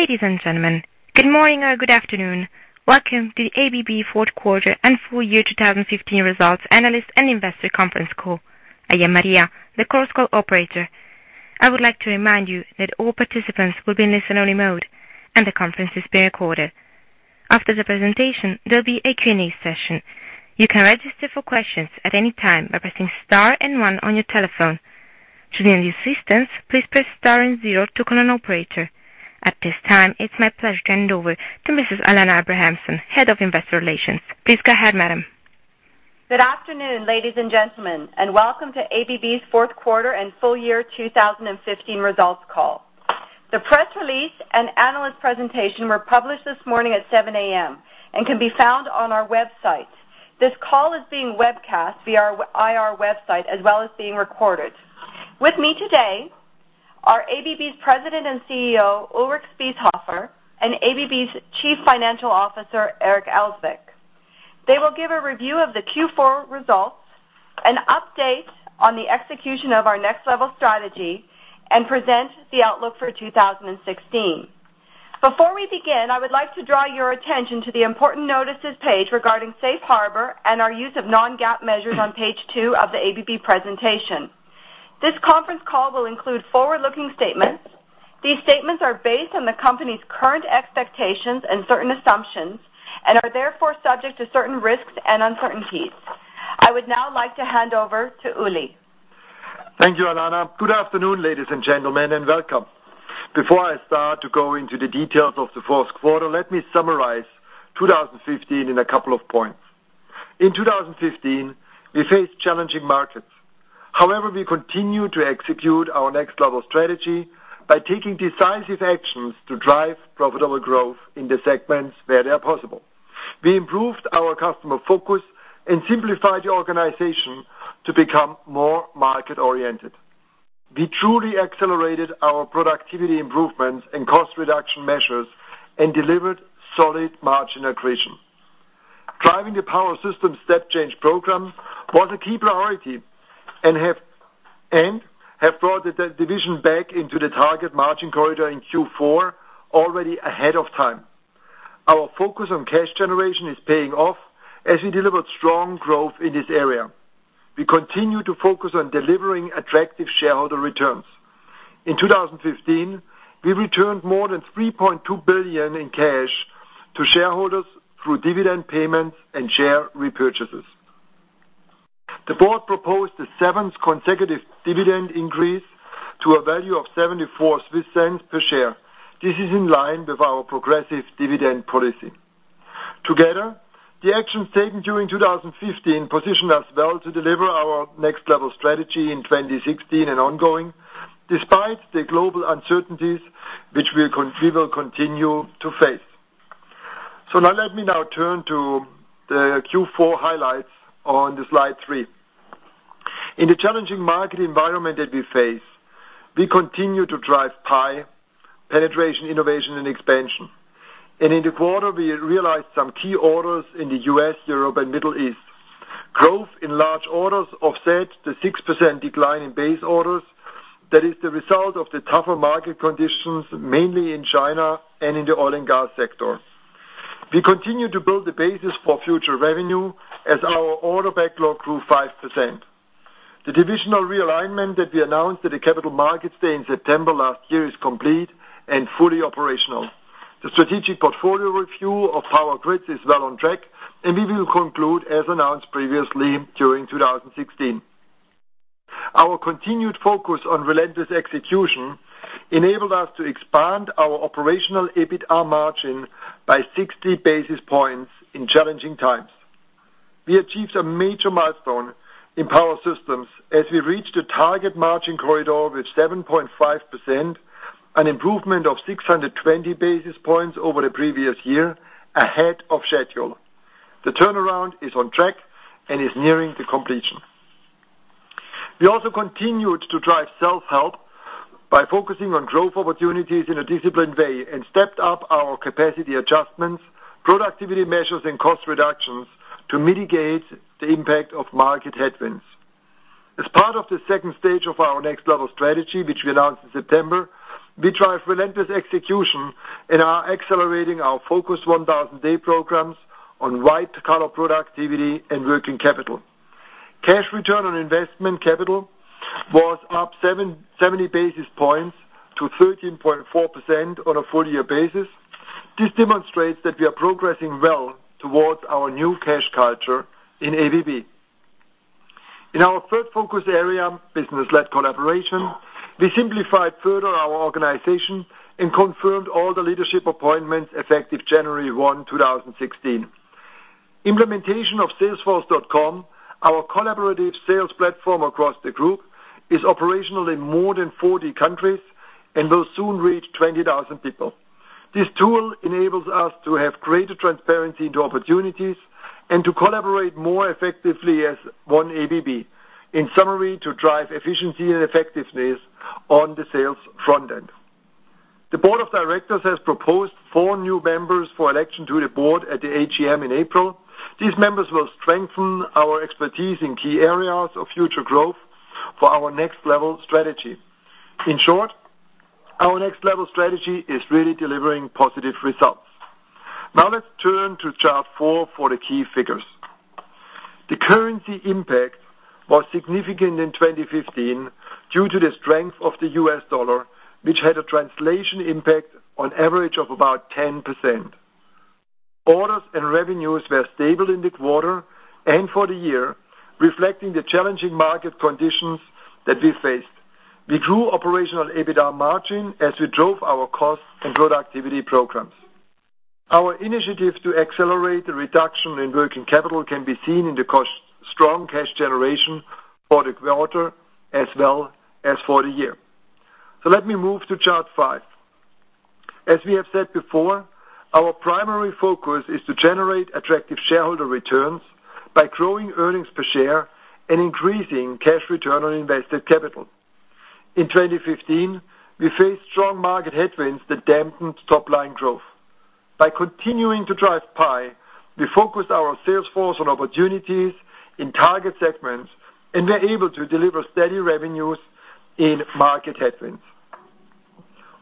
Ladies and gentlemen, good morning or good afternoon. Welcome to the ABB fourth quarter and full year 2015 results analyst and investor conference call. I am Maria, the Chorus Call operator. I would like to remind you that all participants will be in listen only mode, and the conference is being recorded. After the presentation, there'll be a Q&A session. You can register for questions at any time by pressing star and one on your telephone. Should you need assistance, please press star and zero to connect to an operator. At this time, it's my pleasure to hand over to Mrs. Alena Abramson, Head of Investor Relations. Please go ahead, madam. Good afternoon, ladies and gentlemen, welcome to ABB's fourth quarter and full year 2015 results call. The press release and analyst presentation were published this morning at 7:00 A.M., and can be found on our IR website. This call is being webcast via our IR website, as well as being recorded. With me today are ABB's President and CEO, Ulrich Spiesshofer, and ABB's Chief Financial Officer, Eric Elzvik. They will give a review of the Q4 results, an update on the execution of our Next Level strategy, and present the outlook for 2016. Before we begin, I would like to draw your attention to the important notices page regarding Safe Harbor and our use of non-GAAP measures on page two of the ABB presentation. This conference call will include forward-looking statements. These statements are based on the company's current expectations and certain assumptions, and are therefore subject to certain risks and uncertainties. I would now like to hand over to Uli. Thank you, Alena. Good afternoon, ladies and gentlemen, welcome. Before I start to go into the details of the fourth quarter, let me summarize 2015 in a couple of points. In 2015, we faced challenging markets. However, we continued to execute our Next Level strategy by taking decisive actions to drive profitable growth in the segments where they are possible. We improved our customer focus and simplified the organization to become more market-oriented. We truly accelerated our productivity improvements and cost reduction measures and delivered solid margin accretion. Driving the Power Systems step change program was a key priority and have brought the division back into the target margin corridor in Q4 already ahead of time. Our focus on cash generation is paying off as we delivered strong growth in this area. We continue to focus on delivering attractive shareholder returns. In 2015, we returned more than 3.2 billion in cash to shareholders through dividend payments and share repurchases. The board proposed a seventh consecutive dividend increase to a value of 0.74 per share. This is in line with our progressive dividend policy. Together, the actions taken during 2015 position us well to deliver our Next Level strategy in 2016 and ongoing, despite the global uncertainties which we will continue to face. Now let me now turn to the Q4 highlights on slide three. In the challenging market environment that we face, we continue to drive PIE, penetration, innovation, and expansion. In the quarter, we realized some key orders in the U.S., Europe, and Middle East. Growth in large orders offset the 6% decline in base orders. That is the result of the tougher market conditions, mainly in China and in the oil and gas sector. We continue to build the basis for future revenue as our order backlog grew 5%. The divisional realignment that we announced at the Capital Markets Day in September last year is complete and fully operational. The strategic portfolio review of Power Grids is well on track, and we will conclude as announced previously during 2016. Our continued focus on relentless execution enabled us to expand our operational EBITDA margin by 60 basis points in challenging times. We achieved a major milestone in Power Systems as we reached a target margin corridor with 7.5%, an improvement of 620 basis points over the previous year ahead of schedule. The turnaround is on track and is nearing the completion. We also continued to drive self-help by focusing on growth opportunities in a disciplined way and stepped up our capacity adjustments, productivity measures, and cost reductions to mitigate the impact of market headwinds. As part of the stage 2 of our Next Level strategy, which we announced in September, we drive relentless execution and are accelerating our Focus 1,000 Day programs on white-collar productivity and working capital. Cash return on investment capital was up 70 basis points to 13.4% on a full year basis. This demonstrates that we are progressing well towards our new cash culture in ABB. In our third focus area, business-led collaboration, we simplified further our organization and confirmed all the leadership appointments effective January 1, 2016. Implementation of salesforce.com, our collaborative sales platform across the group, is operational in more than 40 countries and will soon reach 20,000 people. This tool enables us to have greater transparency into opportunities and to collaborate more effectively as one ABB. In summary, to drive efficiency and effectiveness on the sales front end. The board of directors has proposed four new members for election to the board at the AGM in April. These members will strengthen our expertise in key areas of future growth for our Next Level strategy. In short, our Next Level strategy is really delivering positive results. Let's turn to chart four for the key figures. The currency impact was significant in 2015 due to the strength of the U.S. dollar, which had a translation impact on average of about 10%. Orders and revenues were stable in the quarter and for the year, reflecting the challenging market conditions that we faced. We grew operational EBITDA margin as we drove our costs and productivity programs. Our initiative to accelerate the reduction in working capital can be seen in the strong cash generation for the quarter as well as for the year. Let me move to chart five. As we have said before, our primary focus is to generate attractive shareholder returns by growing earnings per share and increasing cash return on invested capital. In 2015, we faced strong market headwinds that dampened top-line growth. By continuing to drive PI, we focused our sales force on opportunities in target segments, and were able to deliver steady revenues in market headwinds.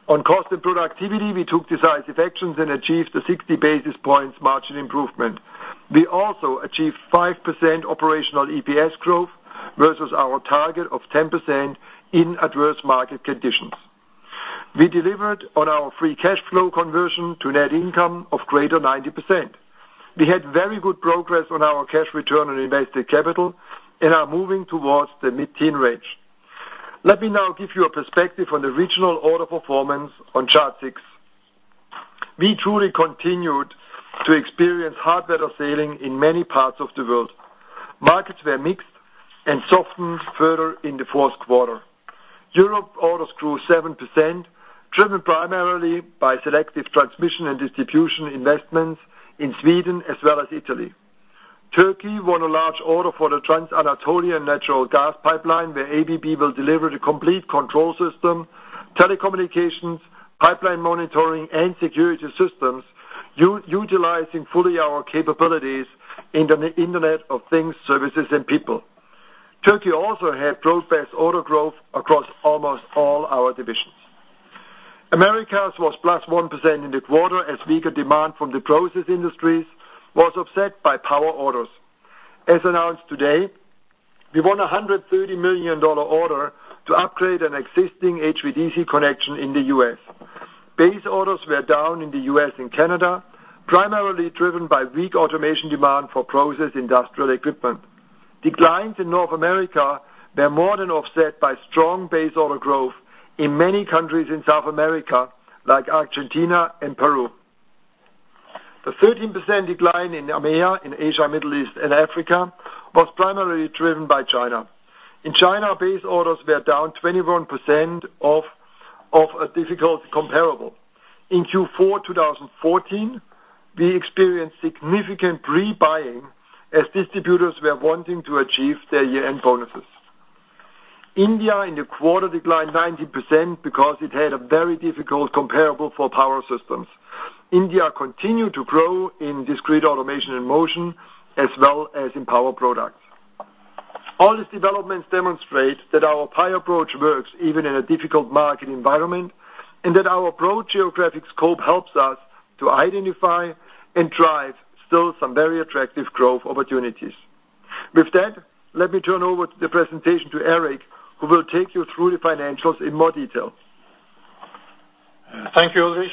On cost and productivity, we took decisive actions and achieved a 60 basis points margin improvement. We also achieved 5% operational EPS growth versus our target of 10% in adverse market conditions. We delivered on our free cash flow conversion to net income of greater 90%. We had very good progress on our cash return on invested capital and are moving towards the mid-teen range. Let me now give you a perspective on the regional order performance on chart six. We truly continued to experience hard weather sailing in many parts of the world. Markets were mixed and softened further in the fourth quarter. Europe orders grew 7%, driven primarily by selective transmission and distribution investments in Sweden as well as Italy. Turkey won a large order for the Trans-Anatolian Natural Gas Pipeline, where ABB will deliver the complete control system, telecommunications, pipeline monitoring, and security systems, utilizing fully our capabilities in the Internet of Things, services, and people. Turkey also had robust order growth across almost all our divisions. Americas was plus 1% in the quarter as weaker demand from the process industries was offset by power orders. As announced today, we won a $130 million order to upgrade an existing HVDC connection in the U.S. Base orders were down in the U.S. and Canada, primarily driven by weak automation demand for process industrial equipment. Declines in North America were more than offset by strong base order growth in many countries in South America, like Argentina and Peru. The 13% decline in EMEA, in Asia, Middle East, and Africa, was primarily driven by China. In China, base orders were down 21% of a difficult comparable. In Q4 2014, we experienced significant pre-buying as distributors were wanting to achieve their year-end bonuses. India in the quarter declined 15% because it had a very difficult comparable for Power Systems. India continued to grow in Discrete Automation and Motion, as well as in Power Products. All these developments demonstrate that our PI approach works even in a difficult market environment, and that our broad geographic scope helps us to identify and drive still some very attractive growth opportunities. Let me turn over the presentation to Eric, who will take you through the financials in more detail. Thank you, Ulrich.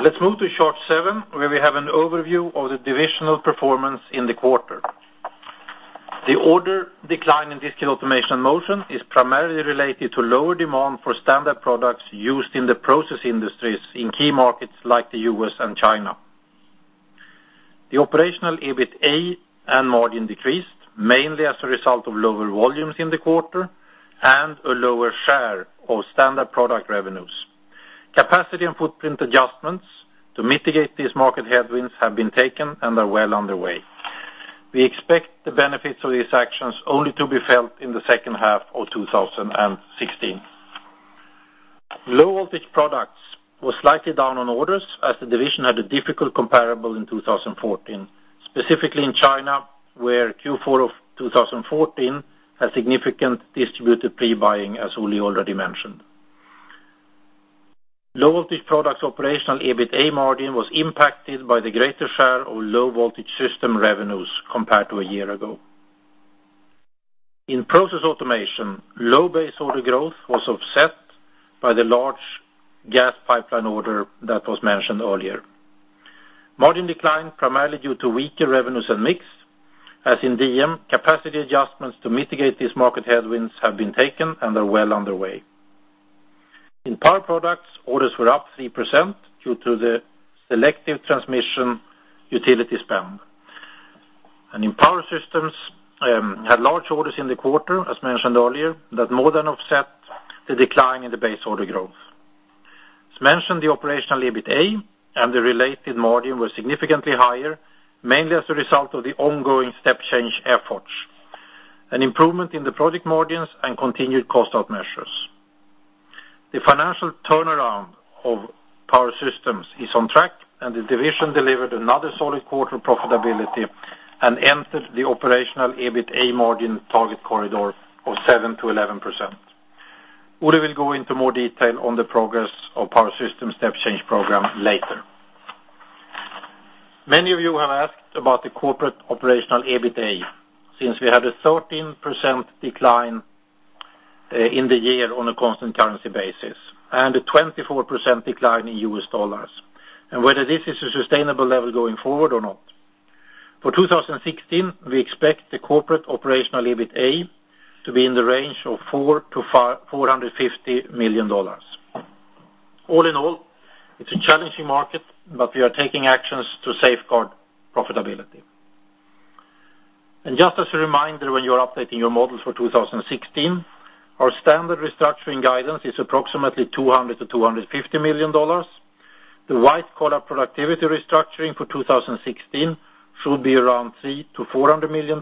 Let's move to chart seven, where we have an overview of the divisional performance in the quarter. The order decline in Discrete Automation and Motion is primarily related to lower demand for standard products used in the process industries in key markets like the U.S. and China. The operational EBITA and margin decreased mainly as a result of lower volumes in the quarter, and a lower share of standard product revenues. Capacity and footprint adjustments to mitigate these market headwinds have been taken and are well underway. We expect the benefits of these actions only to be felt in the second half of 2016. Low Voltage Products was slightly down on orders as the division had a difficult comparable in 2014, specifically in China, where Q4 of 2014 had significant distributor pre-buying, as Uli already mentioned. Low Voltage Products operational EBITA margin was impacted by the greater share of low-voltage system revenues compared to a year ago. In Process Automation, low base order growth was offset by the large gas pipeline order that was mentioned earlier. Margin declined primarily due to weaker revenues and mix. As in DM, capacity adjustments to mitigate these market headwinds have been taken and are well underway. In Power Products, orders were up 3% due to the selective transmission utility spend. In Power Systems, had large orders in the quarter, as mentioned earlier, that more than offset the decline in the base order growth. As mentioned, the operational EBITA and the related margin were significantly higher, mainly as a result of the ongoing step change efforts. An improvement in the project margins and continued cost out measures. The financial turnaround of Power Systems is on track, the division delivered another solid quarter profitability and entered the operational EBITA margin target corridor of 7%-11%. Oleg will go into more detail on the progress of Power Systems' step change program later. Many of you have asked about the corporate operational EBITA, since we had a 13% decline in the year on a constant currency basis, a 24% decline in US dollars, and whether this is a sustainable level going forward or not. For 2016, we expect the corporate operational EBITA to be in the range of $400 million-$450 million. It's a challenging market, we are taking actions to safeguard profitability. Just as a reminder, when you are updating your models for 2016, our standard restructuring guidance is approximately $200 million-$250 million. The white-collar productivity restructuring for 2016 should be around $300 million-$400 million,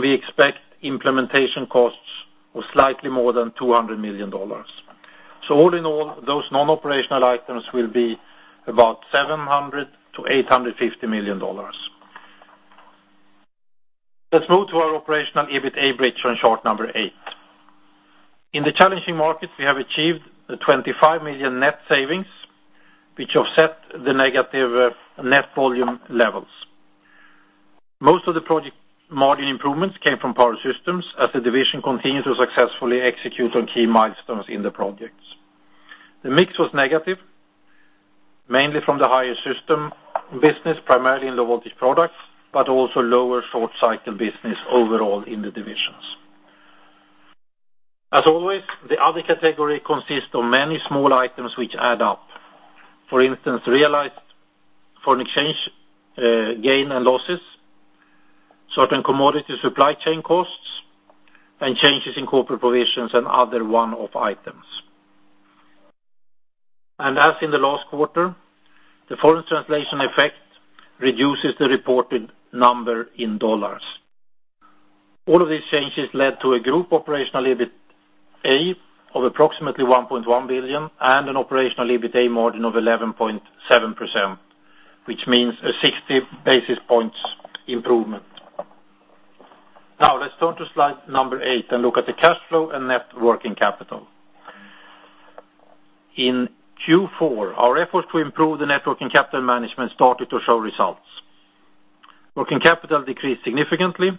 we expect implementation costs of slightly more than $200 million. Those non-operational items will be about $700 million-$850 million. Let's move to our operational EBITA bridge on chart number eight. In the challenging markets, we have achieved the 25 million net savings, which offset the negative net volume levels. Most of the project margin improvements came from Power Systems, as the division continued to successfully execute on key milestones in the projects. The mix was negative, mainly from the higher system business, primarily in Low Voltage Products, also lower short cycle business overall in the divisions. As always, the other category consists of many small items which add up. Realized foreign exchange gain and losses, certain commodity supply chain costs, changes in corporate provisions and other one-off items. As in the last quarter, the foreign translation effect reduces the reported number in CHF. All of these changes led to a group operational EBITA of approximately 1.1 billion and an operational EBITA margin of 11.7%, which means a 60 basis points improvement. Let's turn to slide number eight and look at the cash flow and net working capital. In Q4, our effort to improve the net working capital management started to show results. Working capital decreased significantly,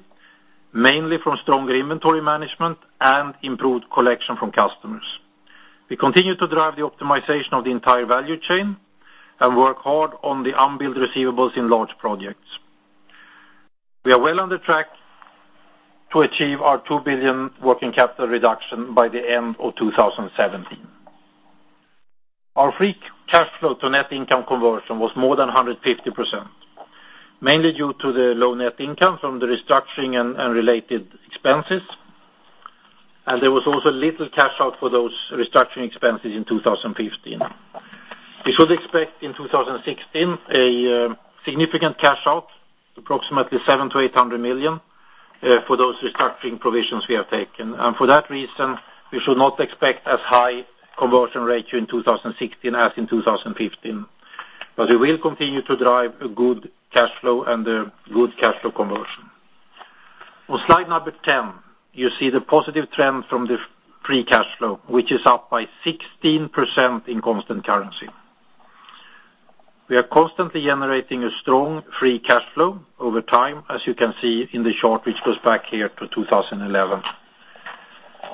mainly from stronger inventory management and improved collection from customers. We continue to drive the optimization of the entire value chain and work hard on the unbilled receivables in large projects. We are well on the track to achieve our 2 billion working capital reduction by the end of 2017. Our free cash flow to net income conversion was more than 150%, mainly due to the low net income from the restructuring and unrelated expenses, there was also little cash out for those restructuring expenses in 2015. We should expect in 2016 a significant cash out, approximately 700 million-800 million, for those restructuring provisions we have taken. For that reason, we should not expect as high conversion ratio in 2016 as in 2015. We will continue to drive a good cash flow and a good cash flow conversion. On slide number 10, you see the positive trend from the free cash flow, which is up by 16% in constant currency. We are constantly generating a strong free cash flow over time, as you can see in the chart, which goes back here to 2011.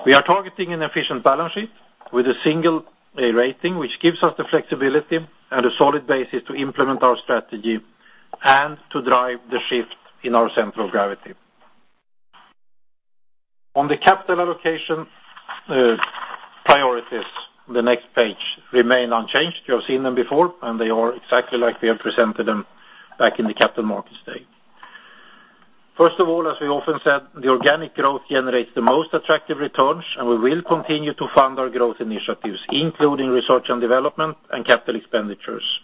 We are targeting an efficient balance sheet with a single A rating, which gives us the flexibility and a solid basis to implement our strategy and to drive the shift in our center of gravity. On the capital allocation, priorities on the next page remain unchanged. You have seen them before, they are exactly like we have presented them back in the Capital Markets Day. First of all, as we often said, the organic growth generates the most attractive returns, we will continue to fund our growth initiatives, including research and development and capital expenditures.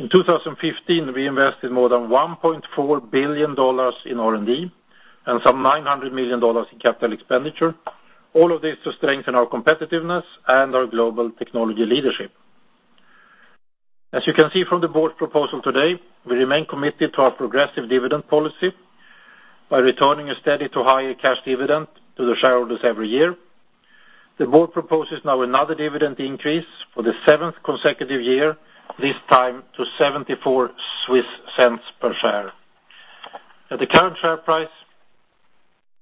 In 2015, we invested more than CHF 1.4 billion in R&D and some CHF 900 million in capital expenditure. All of this to strengthen our competitiveness and our global technology leadership. As you can see from the board proposal today, we remain committed to our progressive dividend policy by returning a steady to higher cash dividend to the shareholders every year. The board proposes now another dividend increase for the seventh consecutive year, this time to 0.74 per share. At the current share price,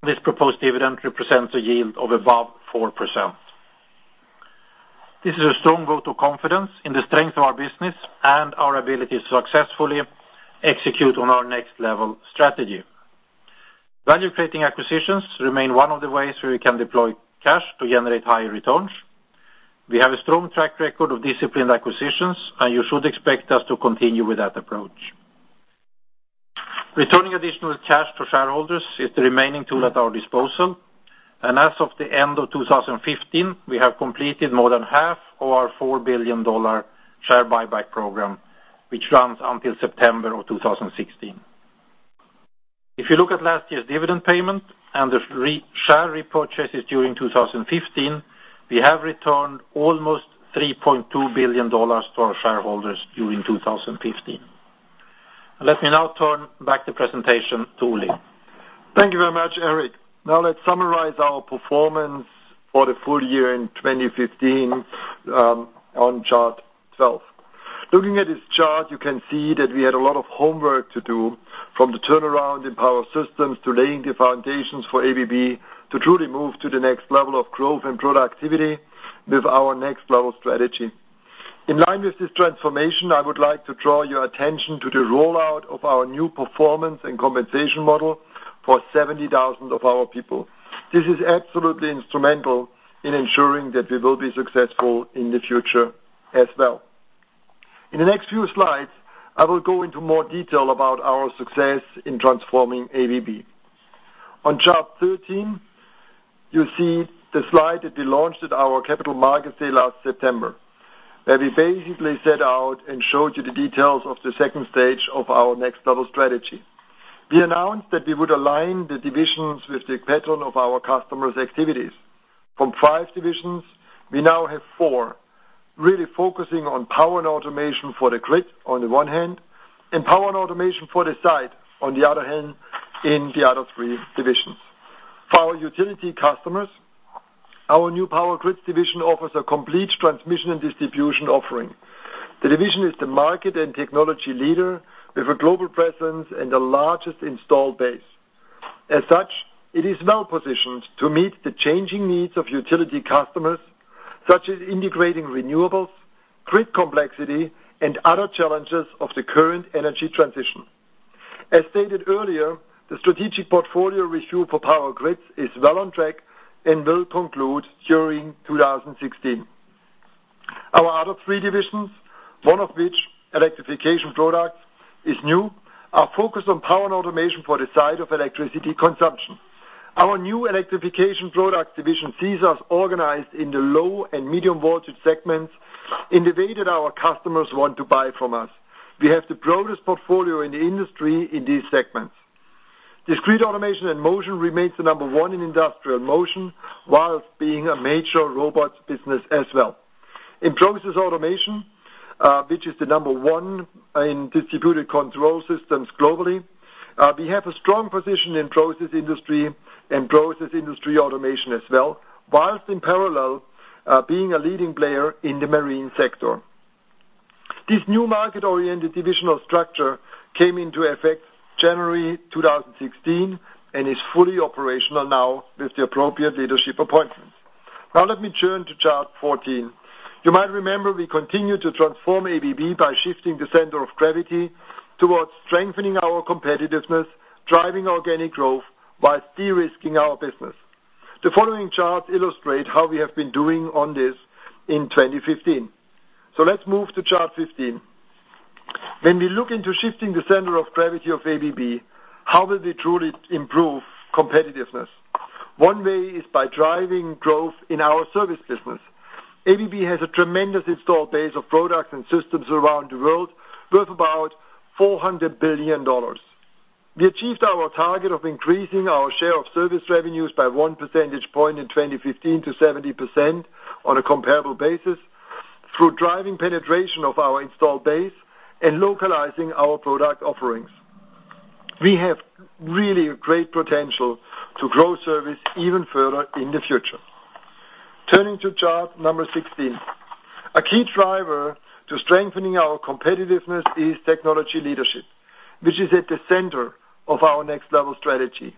this proposed dividend represents a yield of above 4%. This is a strong vote of confidence in the strength of our business and our ability to successfully execute on our Next Level strategy. Value-creating acquisitions remain one of the ways we can deploy cash to generate higher returns. We have a strong track record of disciplined acquisitions, you should expect us to continue with that approach. Returning additional cash to shareholders is the remaining tool at our disposal. As of the end of 2015, we have completed more than half of our CHF 4 billion share buyback program, which runs until September of 2016. If you look at last year's dividend payment and the share repurchases during 2015, we have returned almost CHF 3.2 billion to our shareholders during 2015. Let me now turn back the presentation to Ulrich. Thank you very much, Eric. Let's summarize our performance for the full year in 2015 on chart 12. Looking at this chart, you can see that we had a lot of homework to do, from the turnaround in Power Systems to laying the foundations for ABB to truly move to the next level of growth and productivity with our Next Level strategy. In line with this transformation, I would like to draw your attention to the rollout of our new performance and compensation model for 70,000 of our people. This is absolutely instrumental in ensuring that we will be successful in the future as well. In the next few slides, I will go into more detail about our success in transforming ABB. On chart 13, you see the slide that we launched at our Capital Markets Day last September, where we basically set out and showed you the details of the second stage of our Next Level strategy. We announced that we would align the divisions with the pattern of our customers' activities. From five divisions, we now have four, really focusing on power and automation for the grid on the one hand, and power and automation for the site on the other hand, in the other three divisions. For our utility customers, our new Power Grids division offers a complete transmission and distribution offering. The division is the market and technology leader with a global presence and the largest install base. As such, it is well positioned to meet the changing needs of utility customers, such as integrating renewables, grid complexity, and other challenges of the current energy transition. As stated earlier, the strategic portfolio review for Power Grids is well on track and will conclude during 2016. Our other three divisions, one of which, Electrification Products, is new, are focused on power and automation for the site of electricity consumption. Our new Electrification Products division sees us organized in the low and medium voltage segments in the way that our customers want to buy from us. We have the broadest portfolio in the industry in these segments. Discrete Automation and Motion remains the number one in industrial motion, whilst being a major robotics business as well. In Process Automation, which is the number one in distributed control systems globally, we have a strong position in process industry and process industry automation as well, whilst in parallel, being a leading player in the marine sector. This new market-oriented divisional structure came into effect January 2016 and is fully operational now with the appropriate leadership appointments. Let me turn to chart 14. You might remember we continued to transform ABB by shifting the center of gravity towards strengthening our competitiveness, driving organic growth, whilst de-risking our business. The following charts illustrate how we have been doing on this in 2015. Let's move to chart 15. When we look into shifting the center of gravity of ABB, how will we truly improve competitiveness? One way is by driving growth in our service business. ABB has a tremendous installed base of products and systems around the world worth about $400 billion. We achieved our target of increasing our share of service revenues by one percentage point in 2015 to 17% on a comparable basis through driving penetration of our installed base and localizing our product offerings. We have really great potential to grow service even further in the future. Turning to chart 16. A key driver to strengthening our competitiveness is technology leadership, which is at the center of our Next Level strategy.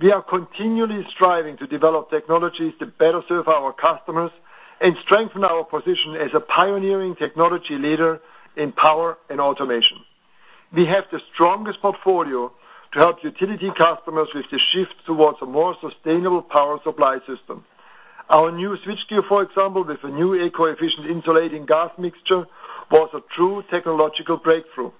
We are continually striving to develop technologies to better serve our customers and strengthen our position as a pioneering technology leader in power and automation. We have the strongest portfolio to help utility customers with the shift towards a more sustainable power supply system. Our new switchgear, for example, with a new eco-efficient insulating gas mixture, was a true technological breakthrough.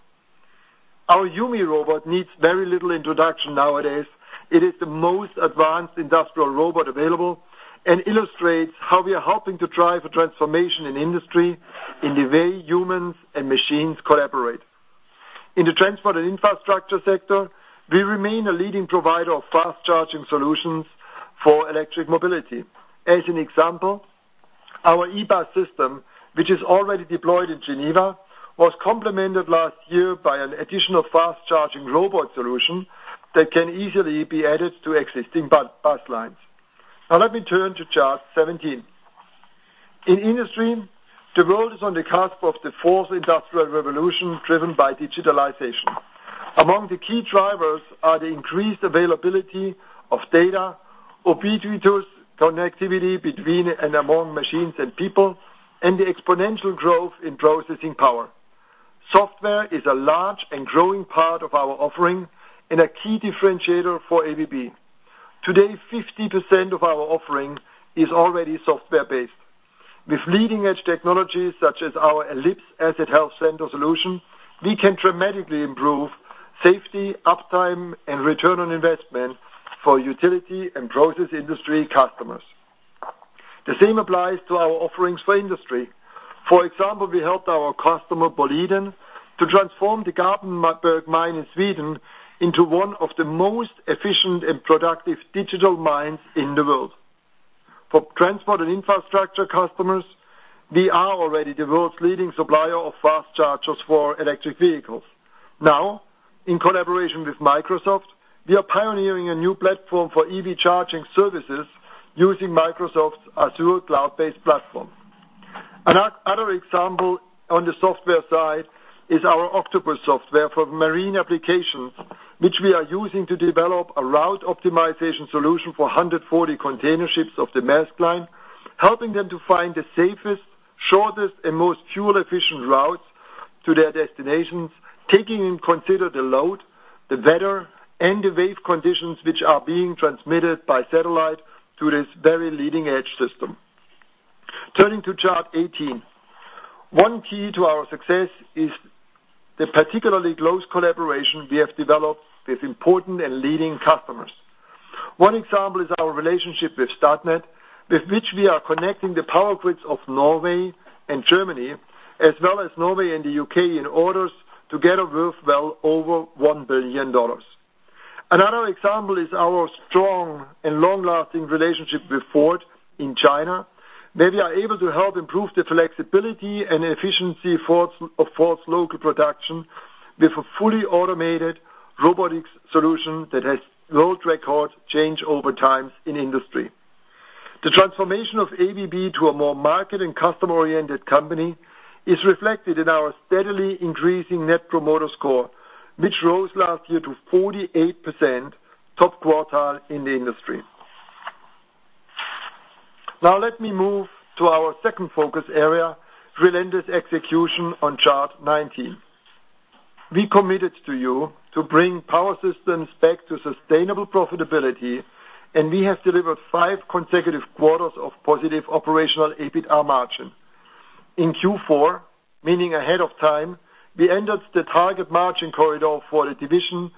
Our YuMi robot needs very little introduction nowadays. It is the most advanced industrial robot available and illustrates how we are helping to drive a transformation in industry in the way humans and machines collaborate. In the transport and infrastructure sector, we remain a leading provider of fast charging solutions for electric mobility. As an example, our eBus system, which is already deployed in Geneva, was complemented last year by an additional fast-charging robot solution that can easily be added to existing bus lines. Let me turn to chart 17. In industry, the world is on the cusp of the fourth industrial revolution driven by digitalization. Among the key drivers are the increased availability of data, ubiquitous connectivity between and among machines and people, and the exponential growth in processing power. Software is a large and growing part of our offering and a key differentiator for ABB. Today, 50% of our offering is already software-based. With leading-edge technologies such as our Ellipse Asset Health Center solution, we can dramatically improve safety, uptime, and return on investment for utility and process industry customers. The same applies to our offerings for industry. For example, we helped our customer Boliden to transform the Garpenberg mine in Sweden into one of the most efficient and productive digital mines in the world. For transport and infrastructure customers, we are already the world's leading supplier of fast chargers for electric vehicles. In collaboration with Microsoft, we are pioneering a new platform for EV charging services using Microsoft's Azure cloud-based platform. Another example on the software side is our Octopus software for marine applications, which we are using to develop a route optimization solution for 140 container ships of the Maersk Line, helping them to find the safest, shortest, and most fuel-efficient routes to their destinations, taking into consider the load, the weather, and the wave conditions which are being transmitted by satellite to this very leading-edge system. Turning to chart 18. One key to our success is the particularly close collaboration we have developed with important and leading customers. One example is our relationship with Statnett, with which we are connecting the power grids of Norway and Germany, as well as Norway and the U.K. in orders together worth well over $1 billion. Another example is our strong and long-lasting relationship with Ford in China, where we are able to help improve the flexibility and efficiency of Ford's local production with a fully automated robotics solution that has world-record changeover times in industry. The transformation of ABB to a more market and customer-oriented company is reflected in our steadily increasing Net Promoter Score, which rose last year to 48%, top quartile in the industry. Let me move to our second focus area, relentless execution, on chart 19. We committed to you to bring Power Systems back to sustainable profitability. We have delivered five consecutive quarters of positive operational EBITDA margin. In Q4, meaning ahead of time, we entered the target margin corridor for the division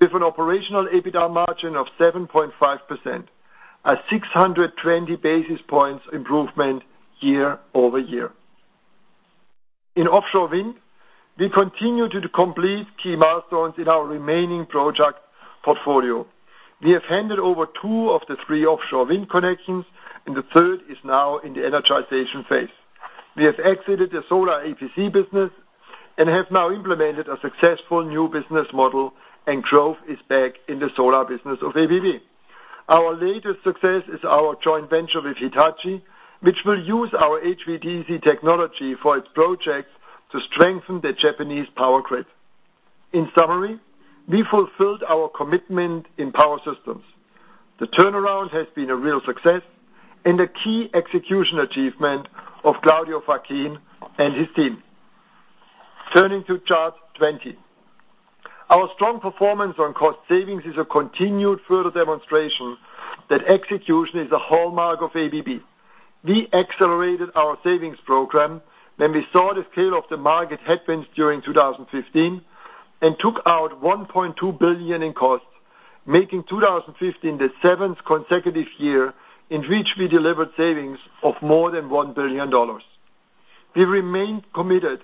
with an operational EBITDA margin of 7.5%, a 620 basis points improvement year-over-year. In offshore wind, we continue to complete key milestones in our remaining project portfolio. We have handed over two of the three offshore wind connections. The third is now in the energization phase. We have exited the solar EPC business and have now implemented a successful new business model. Growth is back in the solar business of ABB. Our latest success is our joint venture with Hitachi, which will use our HVDC technology for its projects to strengthen the Japanese power grid. In summary, we fulfilled our commitment in Power Systems. The turnaround has been a real success. A key execution achievement of Claudio Facchin and his team. Turning to chart 20. Our strong performance on cost savings is a continued further demonstration that execution is a hallmark of ABB. We accelerated our savings program when we saw the scale of the market headwinds during 2015 and took out 1.2 billion in costs, making 2015 the seventh consecutive year in which we delivered savings of more than CHF 1 billion. We remain committed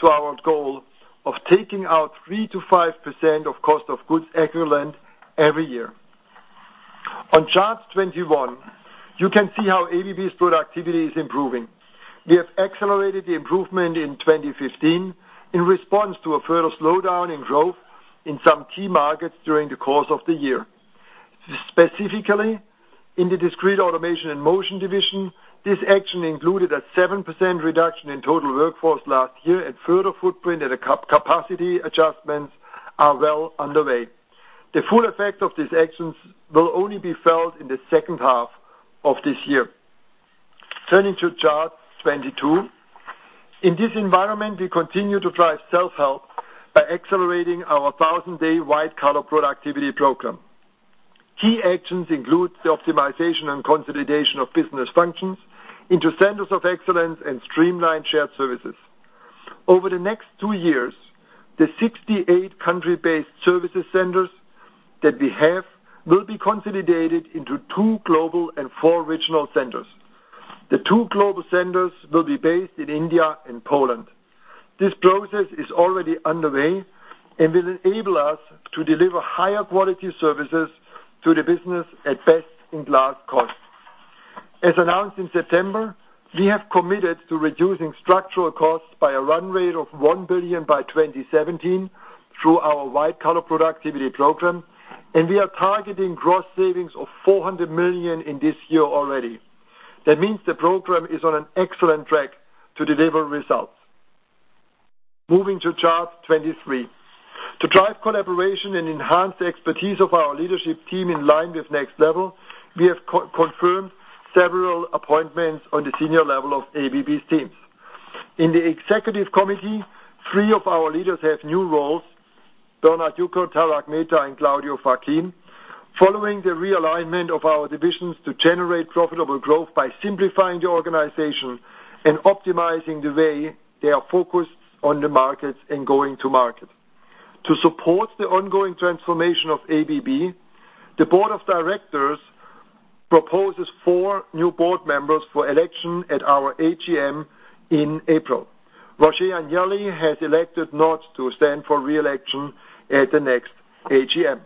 to our goal of taking out 3%-5% of cost of goods equivalent every year. On chart 21, you can see how ABB's productivity is improving. We have accelerated the improvement in 2015 in response to a further slowdown in growth in some key markets during the course of the year. Specifically, in the Discrete Automation and Motion division, this action included a 7% reduction in total workforce last year. Further footprint and capacity adjustments are well underway. The full effect of these actions will only be felt in the second half of this year. Turning to chart 22. In this environment, we continue to drive self-help by accelerating our 1,000-day White-Collar Productivity Program. Key actions include the optimization and consolidation of business functions into centers of excellence. Streamlined shared services. Over the next two years, the 68 country-based services centers that we have will be consolidated into two global and four regional centers. The two global centers will be based in India and Poland. This process is already underway. Will enable us to deliver higher quality services to the business at best-in-class cost. As announced in September, we have committed to reducing structural costs by a run rate of 1 billion by 2017 through our White-Collar Productivity Program. We are targeting gross savings of 400 million in this year already. That means the program is on an excellent track to deliver results. Moving to chart 23. To drive collaboration and enhance the expertise of our leadership team in line with Next Level, we have confirmed several appointments on the senior level of ABB's teams. In the executive committee, three of our leaders have new roles, Bernhard Jucker, Tarak Mehta, and Claudio Facchin. Following the realignment of our divisions to generate profitable growth by simplifying the organization and optimizing the way they are focused on the markets and going to market. To support the ongoing transformation of ABB, the board of directors proposes four new board members for election at our AGM in April. Michel Demaré has elected not to stand for re-election at the next AGM.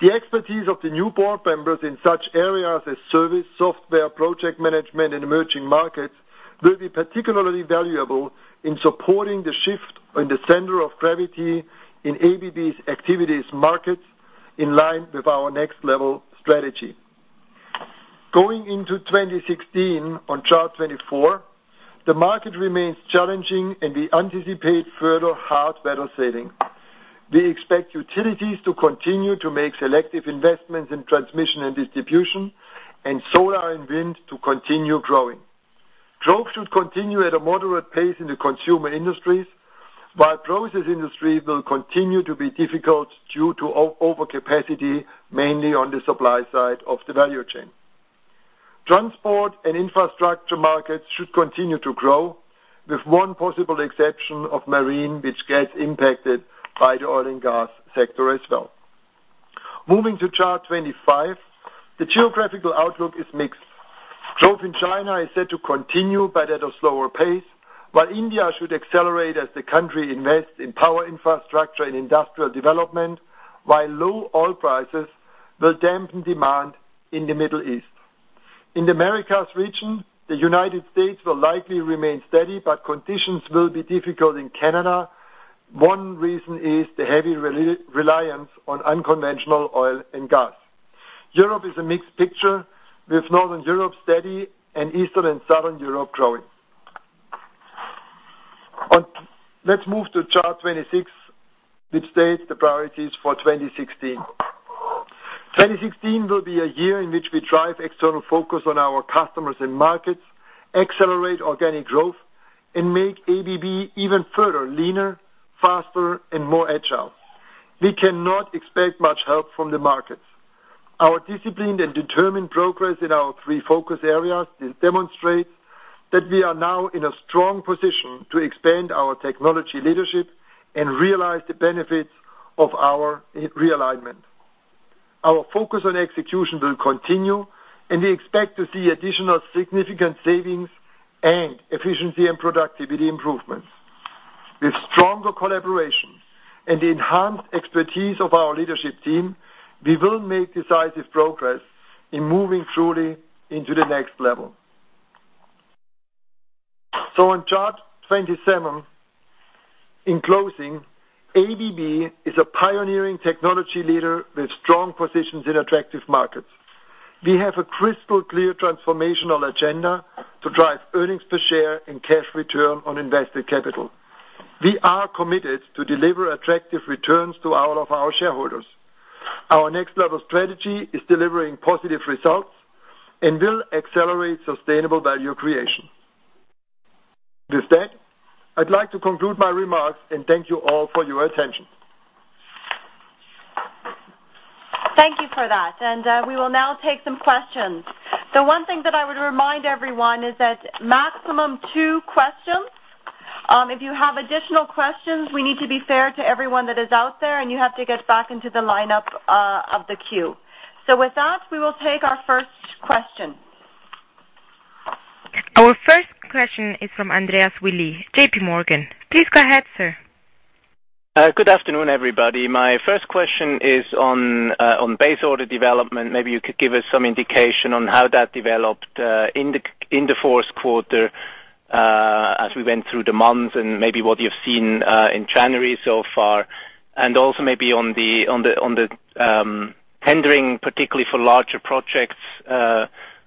The expertise of the new board members in such areas as service, software, project management, and emerging markets, will be particularly valuable in supporting the shift in the center of gravity in ABB's activities markets, in line with our Next Level strategy. Going into 2016, on chart 24, the market remains challenging, and we anticipate further hard weather sailing. We expect utilities to continue to make selective investments in transmission and distribution, and solar and wind to continue growing. Growth should continue at a moderate pace in the consumer industries, while process industry will continue to be difficult due to overcapacity, mainly on the supply side of the value chain. Transport and infrastructure markets should continue to grow, with one possible exception of marine, which gets impacted by the oil and gas sector as well. Moving to chart 25, the geographical outlook is mixed. Growth in China is set to continue, but at a slower pace, while India should accelerate as the country invests in power infrastructure and industrial development, while low oil prices will dampen demand in the Middle East. In the Americas region, the United States will likely remain steady, but conditions will be difficult in Canada. One reason is the heavy reliance on unconventional oil and gas. Europe is a mixed picture, with Northern Europe steady and Eastern and Southern Europe growing. Let's move to chart 26, which states the priorities for 2016. 2016 will be a year in which we drive external focus on our customers and markets, accelerate organic growth, and make ABB even further leaner, faster, and more agile. We cannot expect much help from the markets. Our disciplined and determined progress in our three focus areas will demonstrate that we are now in a strong position to expand our technology leadership and realize the benefits of our realignment. Our focus on execution will continue, and we expect to see additional significant savings and efficiency and productivity improvements. With stronger collaboration and the enhanced expertise of our leadership team, we will make decisive progress in moving truly into the Next Level. On chart 27, in closing, ABB is a pioneering technology leader with strong positions in attractive markets. We have a crystal-clear transformational agenda to drive earnings per share and cash return on invested capital. We are committed to deliver attractive returns to all of our shareholders. Our Next Level strategy is delivering positive results and will accelerate sustainable value creation. With that, I'd like to conclude my remarks, and thank you all for your attention. Thank you for that. We will now take some questions. The one thing that I would remind everyone is that maximum 2 questions. If you have additional questions, we need to be fair to everyone that is out there, and you have to get back into the lineup of the queue. With that, we will take our first question. Our first question is from Andreas Willi, JPMorgan. Please go ahead, sir. Good afternoon, everybody. My first question is on base order development. Maybe you could give us some indication on how that developed in the fourth quarter as we went through the months and maybe what you've seen in January so far. Also maybe on the tendering, particularly for larger projects,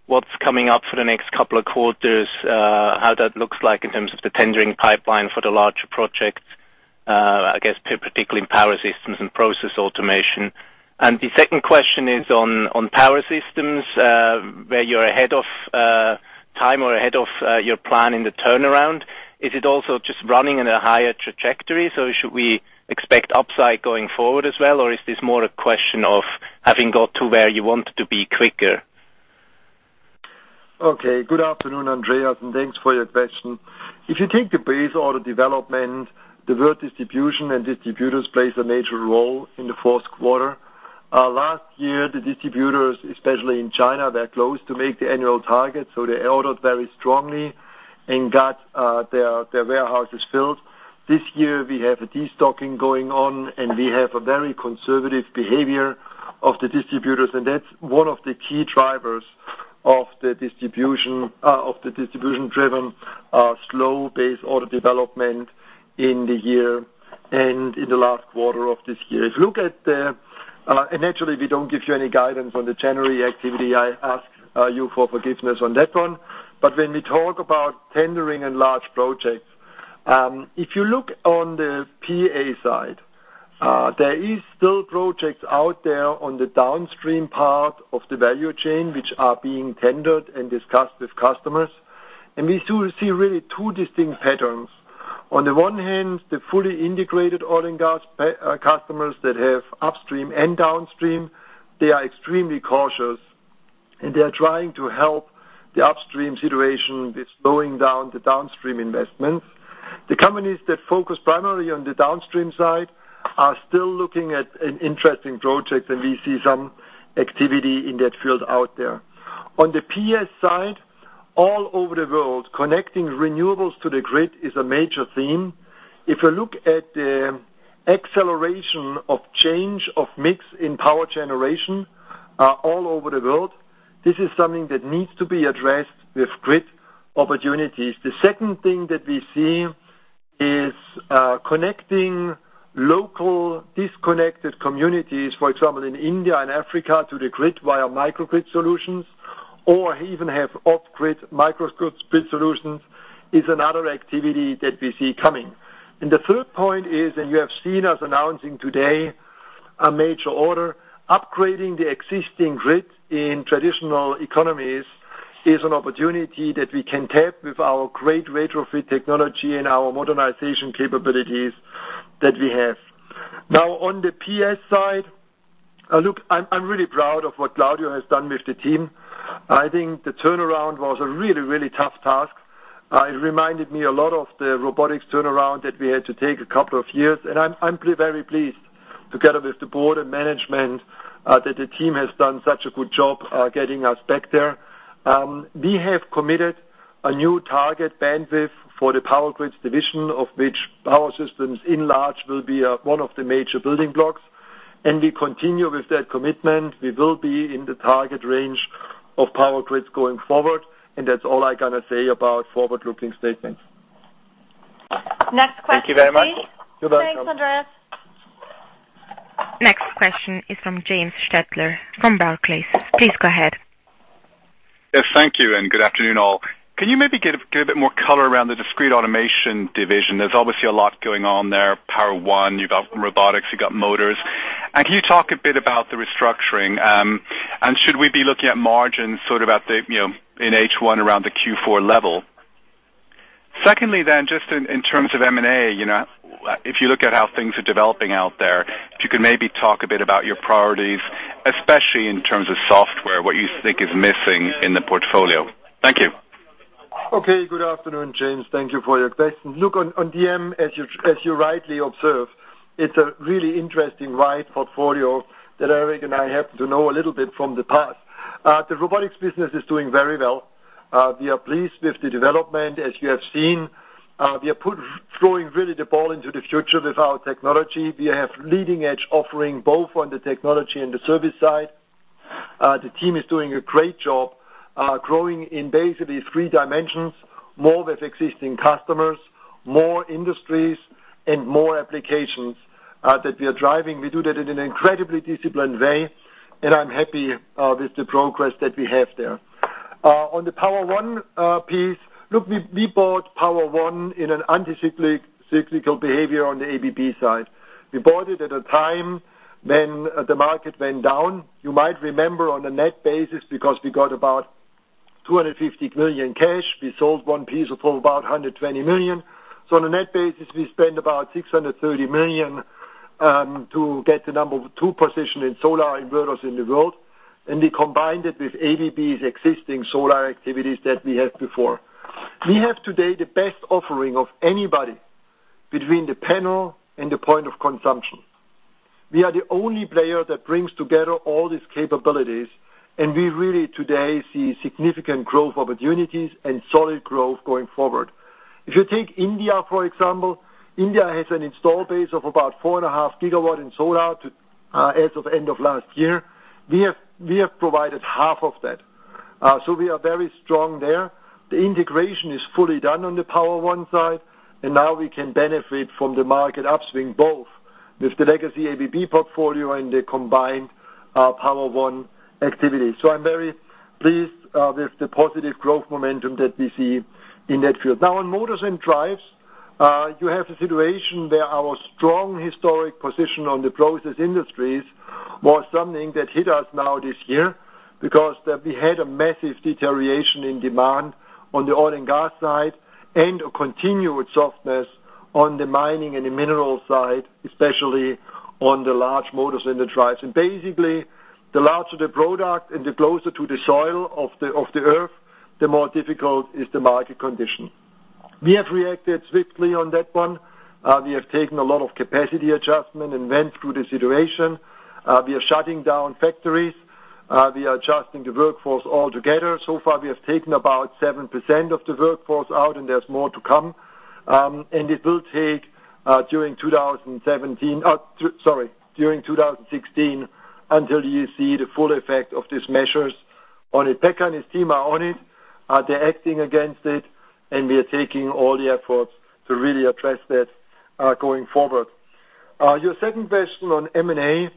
what's coming up for the next couple of quarters, how that looks like in terms of the tendering pipeline for the larger projects, I guess particularly in Power Systems and Process Automation. The second question is on Power Systems, where you're ahead of time or ahead of your plan in the turnaround. Is it also just running in a higher trajectory? Should we expect upside going forward as well? Or is this more a question of having got to where you want to be quicker? Good afternoon, Andreas. Thanks for your question. If you take the base order development, the world distribution and distributors plays a major role in the fourth quarter. Last year, the distributors, especially in China, they're close to make the annual target. They ordered very strongly and got their warehouses filled. This year, we have a de-stocking going on. We have a very conservative behavior of the distributors, and that's one of the key drivers of the distribution-driven slow base order development in the year and in the last quarter of this year. Naturally, we don't give you any guidance on the January activity. I ask you for forgiveness on that one. When we talk about tendering and large projects, if you look on the PA side. There are still projects out there on the downstream part of the value chain, which are being tendered and discussed with customers. We do see really two distinct patterns. On the one hand, the fully integrated oil and gas customers that have upstream and downstream, they are extremely cautious and they are trying to help the upstream situation with slowing down the downstream investments. The companies that focus primarily on the downstream side are still looking at an interesting project, and we see some activity in that field out there. On the PS side, all over the world, connecting renewables to the grid is a major theme. If you look at the acceleration of change of mix in power generation all over the world, this is something that needs to be addressed with grid opportunities. The second thing that we see is connecting local disconnected communities, for example, in India and Africa, to the grid via microgrid solutions or even have off-grid microgrid solutions is another activity that we see coming. The third point is, and you have seen us announcing today a major order, upgrading the existing grid in traditional economies is an opportunity that we can tap with our great retrofit technology and our modernization capabilities that we have. On the PS side, look, I'm really proud of what Claudio has done with the team. I think the turnaround was a really tough task. It reminded me a lot of the robotics turnaround that we had to take a couple of years. I'm very pleased together with the board and management, that the team has done such a good job, getting us back there. We have committed a new target bandwidth for the Power Grids division, of which Power Systems in large will be one of the major building blocks. We continue with that commitment. We will be in the target range of Power Grids going forward, and that's all I'm going to say about forward-looking statements. Next question, please. Thank you very much. Thanks, Andreas. Next question is from James Stettler from Barclays. Please go ahead. Yes, thank you, and good afternoon all. Can you maybe give a bit more color around the Discrete Automation Division? There is obviously a lot going on there. Power-One, you have got robotics, you have got motors. Can you talk a bit about the restructuring? Should we be looking at margins sort of in H1 around the Q4 level? Secondly, just in terms of M&A, if you look at how things are developing out there, if you could maybe talk a bit about your priorities, especially in terms of software, what you think is missing in the portfolio. Thank you. Good afternoon, James. Thank you for your question. On DM, as you rightly observe, it's a really interesting wide portfolio that Eric and I happen to know a little bit from the past. The robotics business is doing very well. We are pleased with the development as you have seen. We are throwing really the ball into the future with our technology. We have leading-edge offering both on the technology and the service side. The team is doing a great job, growing in basically three dimensions, more with existing customers, more industries, and more applications that we are driving. We do that in an incredibly disciplined way, and I'm happy with the progress that we have there. On the Power-One piece, we bought Power-One in an anti-cyclical behavior on the ABB side. We bought it at a time when the market went down. You might remember on a net basis because we got about 250 million cash. We sold one piece of total about 120 million. On a net basis, we spent about 630 million to get the number 2 position in solar inverters in the world. We combined it with ABB's existing solar activities that we had before. We have today the best offering of anybody between the panel and the point of consumption. We are the only player that brings together all these capabilities, and we really today see significant growth opportunities and solid growth going forward. If you take India, for example. India has an install base of about 4.5 gigawatt in solar as of end of last year. We have provided half of that. We are very strong there. The integration is fully done on the Power-One side, and now we can benefit from the market upswing both with the legacy ABB portfolio and the combined Power-One activity. I'm very pleased with the positive growth momentum that we see in that field. On motors and drives, you have the situation where our strong historic position on the process industries was something that hit us now this year because we had a massive deterioration in demand on the oil and gas side and a continued softness on the mining and the mineral side, especially on the large motors and the drives. Basically, the larger the product and the closer to the soil of the Earth, the more difficult is the market condition. We have reacted swiftly on that one. We have taken a lot of capacity adjustment and went through the situation. We are shutting down factories. We are adjusting the workforce altogether. We have taken about 7% of the workforce out, and there's more to come. It will take during 2016 until you see the full effect of these measures. Oleg Budin and his team are on it. They're acting against it, and we are taking all the efforts to really address that going forward. Your second question on M&A.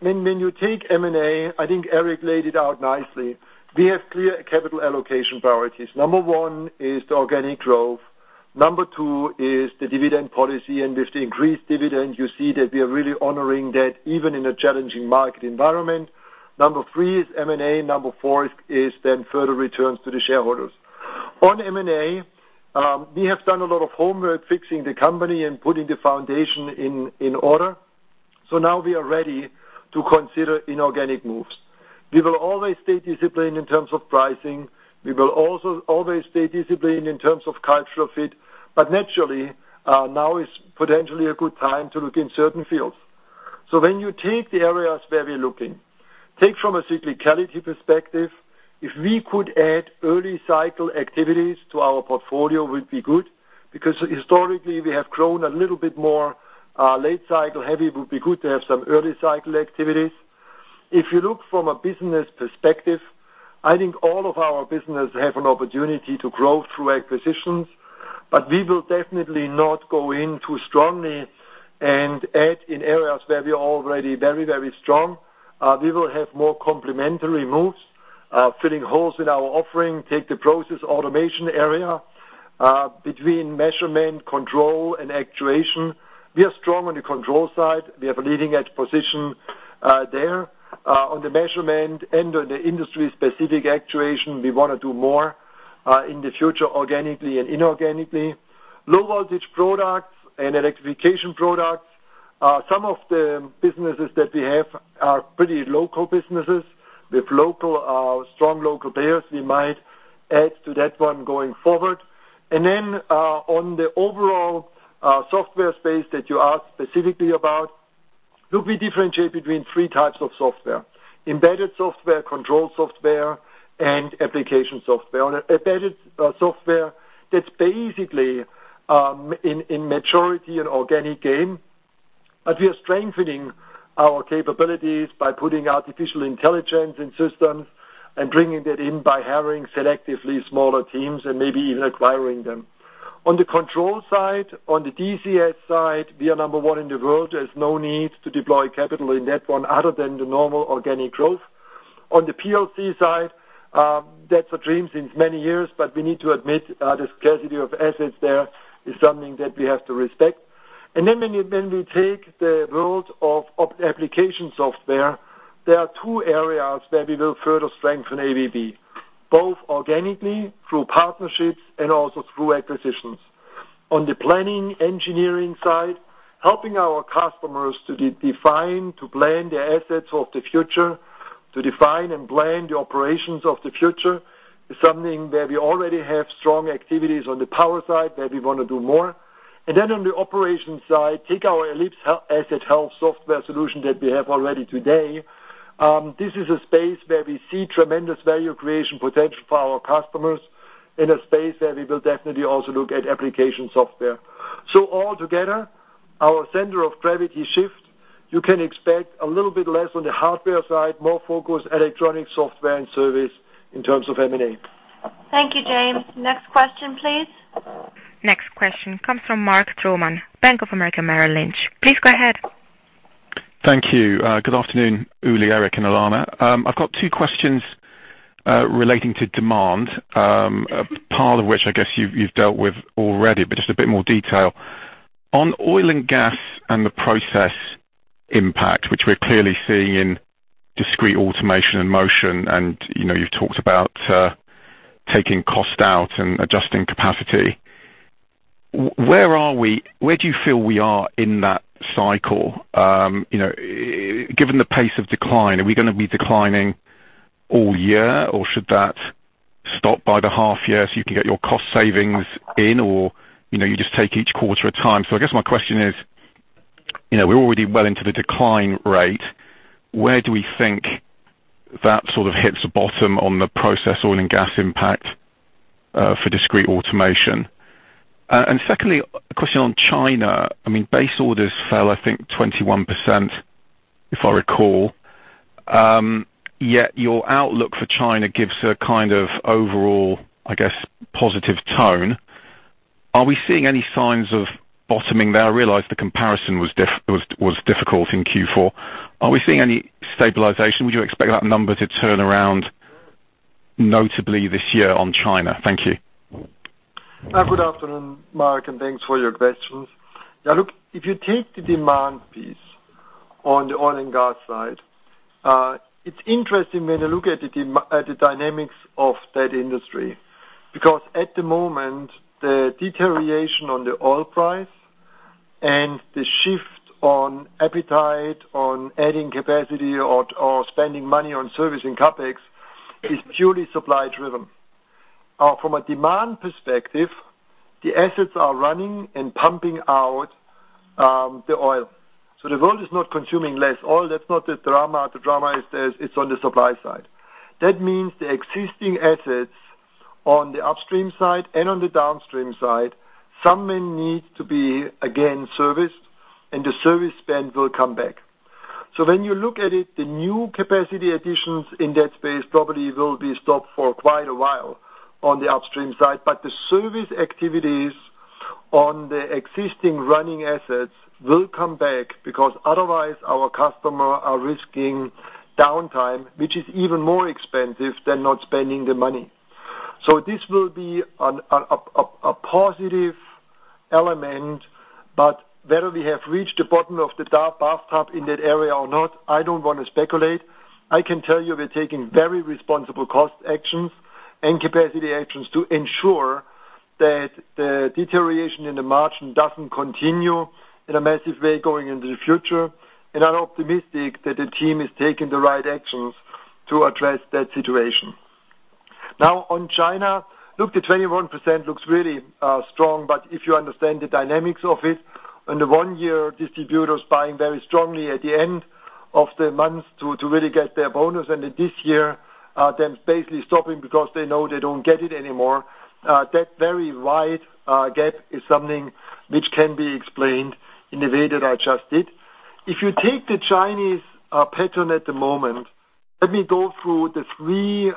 When you take M&A, I think Eric laid it out nicely. We have clear capital allocation priorities. Number 1 is the organic growth. Number 2 is the dividend policy. With the increased dividend, you see that we are really honoring that even in a challenging market environment. Number 3 is M&A. Number 4 is then further returns to the shareholders. On M&A, we have done a lot of homework fixing the company and putting the foundation in order. Now we are ready to consider inorganic moves. We will always stay disciplined in terms of pricing. We will also always stay disciplined in terms of cultural fit. Naturally, now is potentially a good time to look in certain fields. When you take the areas where we're looking, take from a cyclicality perspective, if we could add early cycle activities to our portfolio, would be good, because historically we have grown a little bit more late cycle. Would be good to have some early cycle activities. If you look from a business perspective, I think all of our business have an opportunity to grow through acquisitions, but we will definitely not go in too strongly and add in areas where we're already very strong. We will have more complementary moves, filling holes in our offering. Take the Process Automation area between measurement, control and actuation. We are strong on the control side. We have a leading-edge position there. On the measurement and on the industry specific actuation, we want to do more, in the future, organically and inorganically. Low Voltage Products and Electrification Products. Some of the businesses that we have are pretty local businesses with strong local players. We might add to that one going forward. On the overall software space that you asked specifically about, look, we differentiate between three types of software: embedded software, control software, and application software. On embedded software, that's basically, in maturity, an organic game. We are strengthening our capabilities by putting artificial intelligence in systems and bringing that in by having selectively smaller teams and maybe even acquiring them. On the control side, on the DCS side, we are number 1 in the world. There's no need to deploy capital in that one other than the normal organic growth. On the PLC side, that's a dream since many years. We need to admit, the scarcity of assets there is something that we have to respect. When we take the world of application software, there are two areas where we will further strengthen ABB, both organically through partnerships and also through acquisitions. On the planning engineering side, helping our customers to define, to plan the assets of the future, to define and plan the operations of the future is something where we already have strong activities on the power side, where we want to do more. On the operations side, take our Ellipse Asset Health Center that we have already today. This is a space where we see tremendous value creation potential for our customers in a space where we will definitely also look at application software. Altogether, our center of gravity shift, you can expect a little bit less on the hardware side, more focused electronic software and service in terms of M&A. Thank you, James. Next question, please. Next question comes from Mark Troman, Bank of America Merrill Lynch. Please go ahead. Thank you. Good afternoon, Uli, Eric, and Alena. I've got two questions relating to demand, part of which I guess you've dealt with already, but just a bit more detail. On oil and gas and the process impact, which we're clearly seeing in Robotics & Discrete Automation, and you've talked about taking cost out and adjusting capacity. Where do you feel we are in that cycle? Given the pace of decline, are we going to be declining all year, or should that stop by the half year so you can get your cost savings in, or you just take each quarter at a time? I guess my question is, we're already well into the decline rate. Where do we think that sort of hits the bottom on the process oil and gas impact, for discrete automation? Secondly, a question on China. I mean, base orders fell, I think 21%, if I recall. Yet your outlook for China gives a kind of overall, I guess, positive tone. Are we seeing any signs of bottoming there? I realize the comparison was difficult in Q4. Are we seeing any stabilization? Would you expect that number to turn around notably this year on China? Thank you. Good afternoon, Mark, and thanks for your questions. If you take the demand piece on the oil and gas side, it's interesting when you look at the dynamics of that industry. At the moment, the deterioration on the oil price and the shift on appetite on adding capacity or spending money on service and CapEx is purely supply driven. From a demand perspective, the assets are running and pumping out the oil. The world is not consuming less oil. That's not the drama. The drama is on the supply side. The existing assets on the upstream side and on the downstream side, some may need to be again serviced, and the service spend will come back. When you look at it, the new capacity additions in that space probably will be stopped for quite a while on the upstream side. The service activities on the existing running assets will come back because otherwise our customer are risking downtime, which is even more expensive than not spending the money. This will be a positive element, but whether we have reached the bottom of the bathtub in that area or not, I don't want to speculate. I can tell you we're taking very responsible cost actions and capacity actions to ensure that the deterioration in the margin doesn't continue in a massive way going into the future. I'm optimistic that the team is taking the right actions to address that situation. On China, the 21% looks really strong, but if you understand the dynamics of it, and the one year distributors buying very strongly at the end of the month to really get their bonus, and then this year, them basically stopping because they know they don't get it anymore. That very wide gap is something which can be explained in the way that I just did. If you take the Chinese pattern at the moment, let me go through the three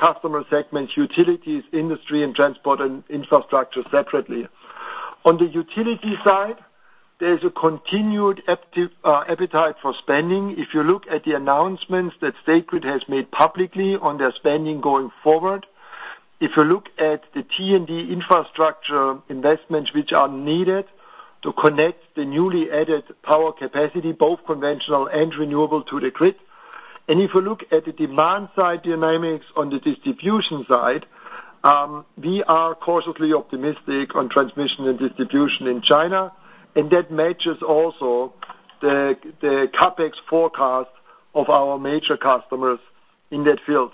customer segments, utilities, industry, and transport, and infrastructure separately. On the utility side, there's a continued appetite for spending. If you look at the announcements that State Grid has made publicly on their spending going forward, if you look at the T&D infrastructure investments which are needed to connect the newly added power capacity, both conventional and renewable, to the grid. If you look at the demand side dynamics on the distribution side, we are cautiously optimistic on transmission and distribution in China, and that matches also the CapEx forecast of our major customers in that field.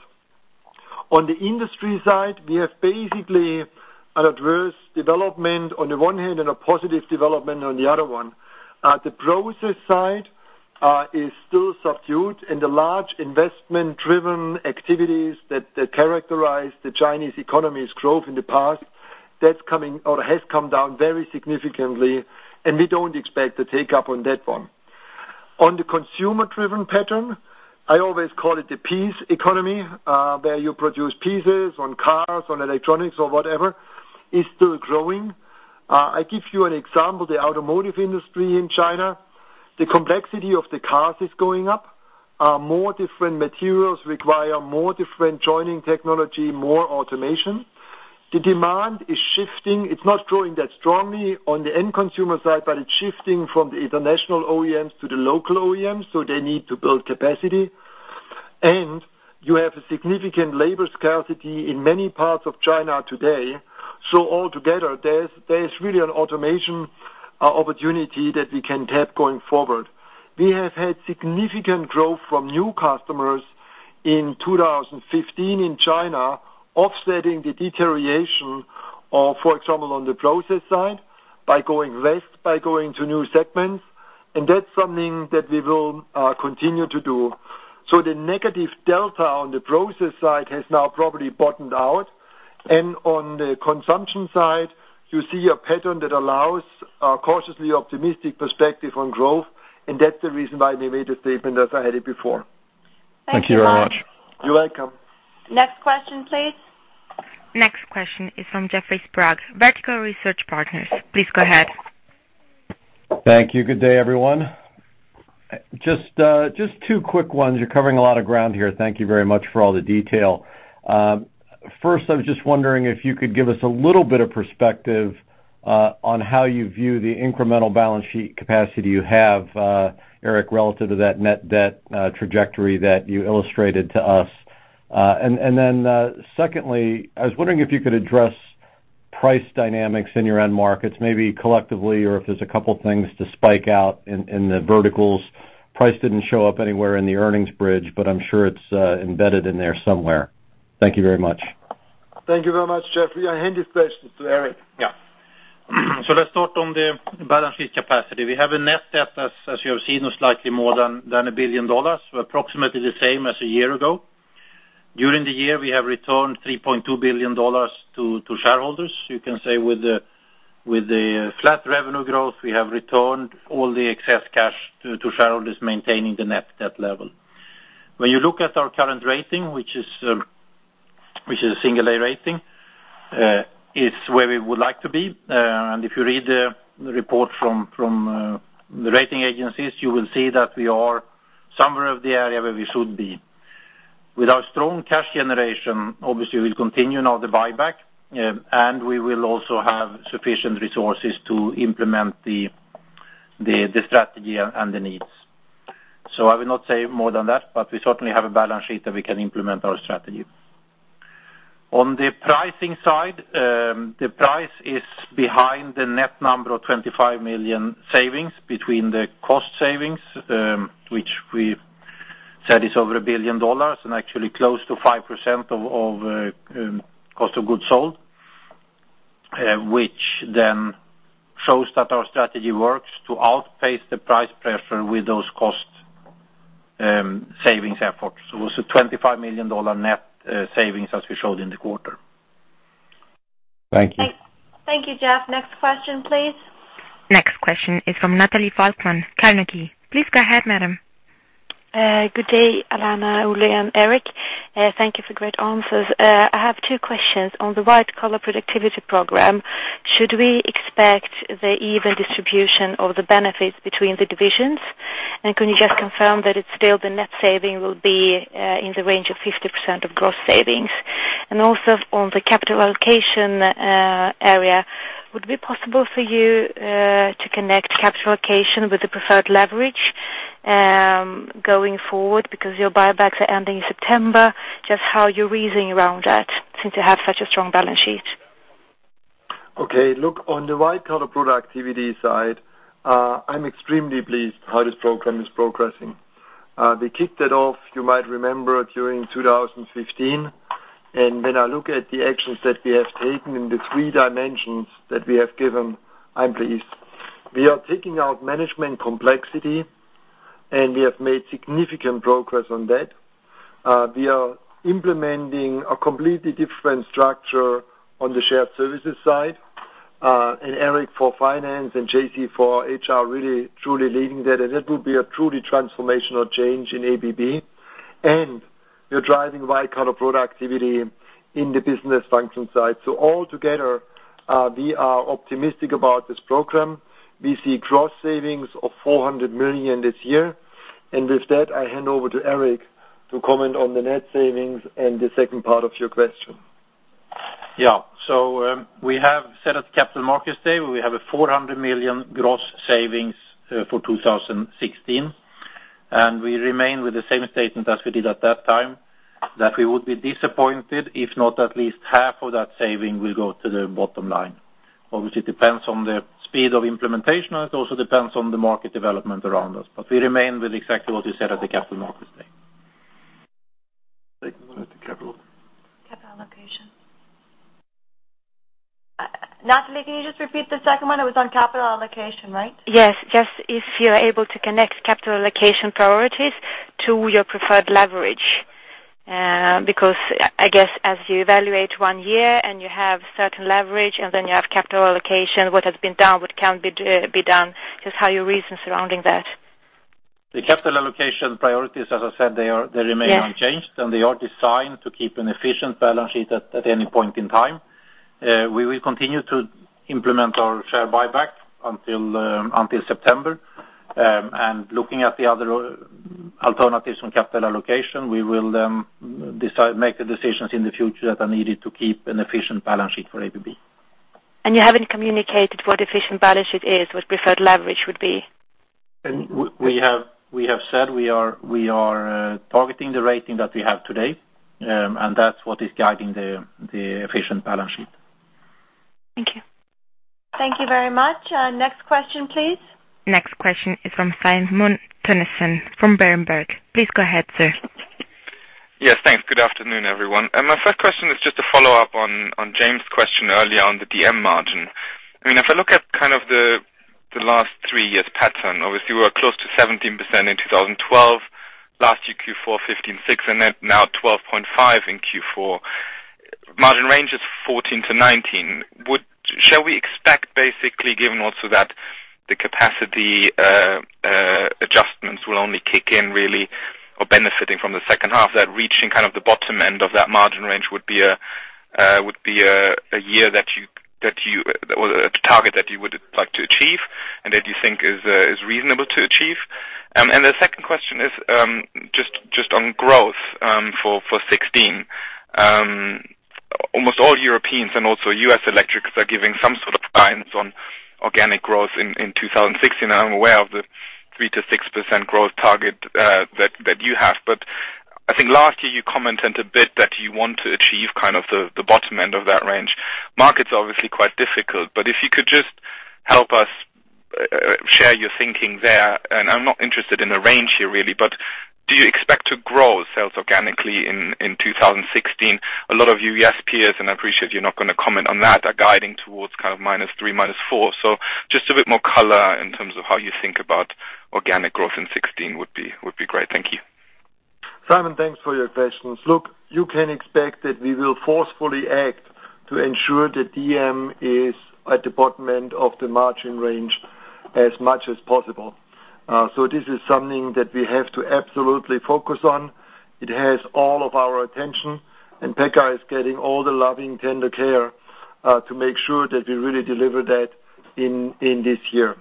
On the industry side, we have basically an adverse development on the one hand and a positive development on the other one. The process side is still subdued, and the large investment-driven activities that characterized the Chinese economy's growth in the past, that's coming or has come down very significantly, and we don't expect a take-up on that one. On the consumer-driven pattern, I always call it the piece economy, where you produce pieces on cars, on electronics or whatever, is still growing. I give you an example, the automotive industry in China. The complexity of the cars is going up. More different materials require more different joining technology, more automation. The demand is shifting. It's not growing that strongly on the end consumer side, but it's shifting from the international OEMs to the local OEMs, so they need to build capacity. You have a significant labor scarcity in many parts of China today. All together, there is really an automation opportunity that we can tap going forward. We have had significant growth from new customers in 2015 in China, offsetting the deterioration of, for example, on the process side by going west, by going to new segments, and that's something that we will continue to do. So the negative delta on the process side has now probably bottomed out. On the consumption side, you see a pattern that allows a cautiously optimistic perspective on growth, and that's the reason why we made a statement as I had it before. Thank you very much. You're welcome. Next question, please. Next question is from Jeffrey Sprague, Vertical Research Partners. Please go ahead. Thank you. Good day, everyone. Just two quick ones. You are covering a lot of ground here. Thank you very much for all the detail. First, I was just wondering if you could give us a little bit of perspective on how you view the incremental balance sheet capacity you have, Eric, relative to that net debt trajectory that you illustrated to us. Secondly, I was wondering if you could address price dynamics in your end markets, maybe collectively or if there is a couple things to spike out in the verticals. Price did not show up anywhere in the earnings bridge, I am sure it is embedded in there somewhere. Thank you very much. Thank you very much, Jeffrey. I hand this question to Eric. Let's start on the balance sheet capacity. We have a net debt, as you have seen, slightly more than CHF 1 billion. We are approximately the same as a year ago. During the year, we have returned CHF 3.2 billion to shareholders. You can say with the flat revenue growth, we have returned all the excess cash to shareholders, maintaining the net debt level. When you look at our current rating, which is a single A rating, it is where we would like to be. If you read the report from the rating agencies, you will see that we are somewhere of the area where we should be. With our strong cash generation, obviously, we will continue now the buyback, we will also have sufficient resources to implement the strategy and the needs. I will not say more than that, we certainly have a balance sheet that we can implement our strategy. On the pricing side, the price is behind the net number of 25 million savings between the cost savings, which we've said is over CHF 1 billion and actually close to 5% of cost of goods sold, which then shows that our strategy works to outpace the price pressure with those cost savings efforts. It was a CHF 25 million net savings as we showed in the quarter. Thank you. Thank you, Jeff. Next question, please. Next question is from Nathalie Falkman, Carnegie. Please go ahead, madam. Good day, Alena, Ulrich and Eric. Thank you for great answers. I have two questions. On the White Collar Productivity program, should we expect the even distribution of the benefits between the divisions? Can you just confirm that it's still the net saving will be in the range of 50% of gross savings? Also on the capital allocation area, would it be possible for you to connect capital allocation with the preferred leverage going forward because your buybacks are ending in September? Just how you're reasoning around that since you have such a strong balance sheet. Okay. Look, on the white-collar productivity side, I'm extremely pleased how this program is progressing. We kicked it off, you might remember, during 2015. When I look at the actions that we have taken in the three dimensions that we have given, I'm pleased. We are taking out management complexity, and we have made significant progress on that. We are implementing a completely different structure on the shared services side. Eric for finance and J.C. for HR really truly leading that, and that will be a truly transformational change in ABB. We're driving white-collar productivity in the business function side. All together, we are optimistic about this program. We see gross savings of 400 million this year. With that, I hand over to Eric to comment on the net savings and the second part of your question. We have said at the Capital Markets Day, we have a 400 million gross savings for 2016. We remain with the same statement as we did at that time, that we would be disappointed if not at least half of that saving will go to the bottom line. Obviously, it depends on the speed of implementation, and it also depends on the market development around us. We remain with exactly what we said at the Capital Markets Day. Second one is the capital Capital allocation. Nathalie, can you just repeat the second one? It was on capital allocation, right? Yes. Just if you're able to connect capital allocation priorities to your preferred leverage. I guess as you evaluate one year and you have certain leverage and then you have capital allocation, what has been done, what can be done, just how you reason surrounding that. The capital allocation priorities, as I said, they remain- Yeah unchanged, they are designed to keep an efficient balance sheet at any point in time. We will continue to implement our share buyback until September. Looking at the other alternatives on capital allocation, we will make the decisions in the future that are needed to keep an efficient balance sheet for ABB. You haven't communicated what efficient balance sheet is, what preferred leverage would be. We have said we are targeting the rating that we have today, and that's what is guiding the efficient balance sheet. Thank you. Thank you very much. Next question, please. Next question is from Simon Tönnessen from Berenberg. Please go ahead, sir. Yes, thanks. Good afternoon, everyone. My first question is just a follow-up on James' question earlier on the DM margin. If I look at the last three years' pattern, obviously, we're close to 17% in 2012. Last year, Q4, 15.6%, and then now 12.5% in Q4. Margin range is 14%-19%. Shall we expect basically, given also that the capacity adjustments will only kick in really or benefiting from the second half, that reaching the bottom end of that margin range would be a target that you would like to achieve and that you think is reasonable to achieve? The second question is just on growth for 2016. Almost all Europeans and also U.S. electrics are giving some sort of guidance on organic growth in 2016. I'm aware of the 3%-6% growth target that you have. I think last year you commented a bit that you want to achieve the bottom end of that range. Market's obviously quite difficult, but if you could just help us share your thinking there. I'm not interested in a range here, really, but do you expect to grow sales organically in 2016? A lot of your U.S. peers, and I appreciate you're not going to comment on that, are guiding towards -3%, -4%. Just a bit more color in terms of how you think about organic growth in 2016 would be great. Thank you. Simon, thanks for your questions. Look, you can expect that we will forcefully act to ensure that DM is at the bottom end of the margin range as much as possible. This is something that we have to absolutely focus on. It has all of our attention, and Pekka is getting all the loving tender care to make sure that we really deliver that in this year.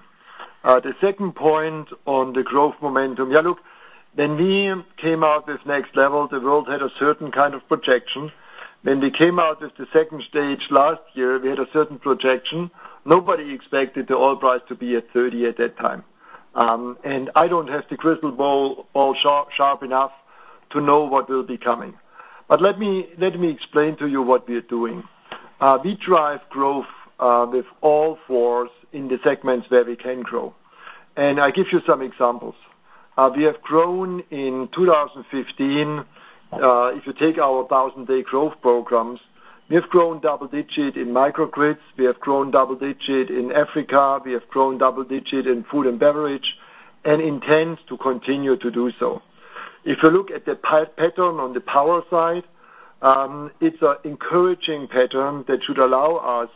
The second point on the growth momentum. Yeah, look, when we came out with Next Level, the world had a certain kind of projection. When we came out with the stage 2 last year, we had a certain projection. Nobody expected the oil price to be at 30 at that time. I don't have the crystal ball sharp enough to know what will be coming. Let me explain to you what we are doing. We drive growth with all fours in the segments where we can grow. I give you some examples. We have grown in 2015. If you take our 1,000 Day Growth Programs, we have grown double-digit in microgrids, we have grown double-digit in Africa, we have grown double-digit in food and beverage, and intend to continue to do so. If you look at the pattern on the power side, it's an encouraging pattern that should allow us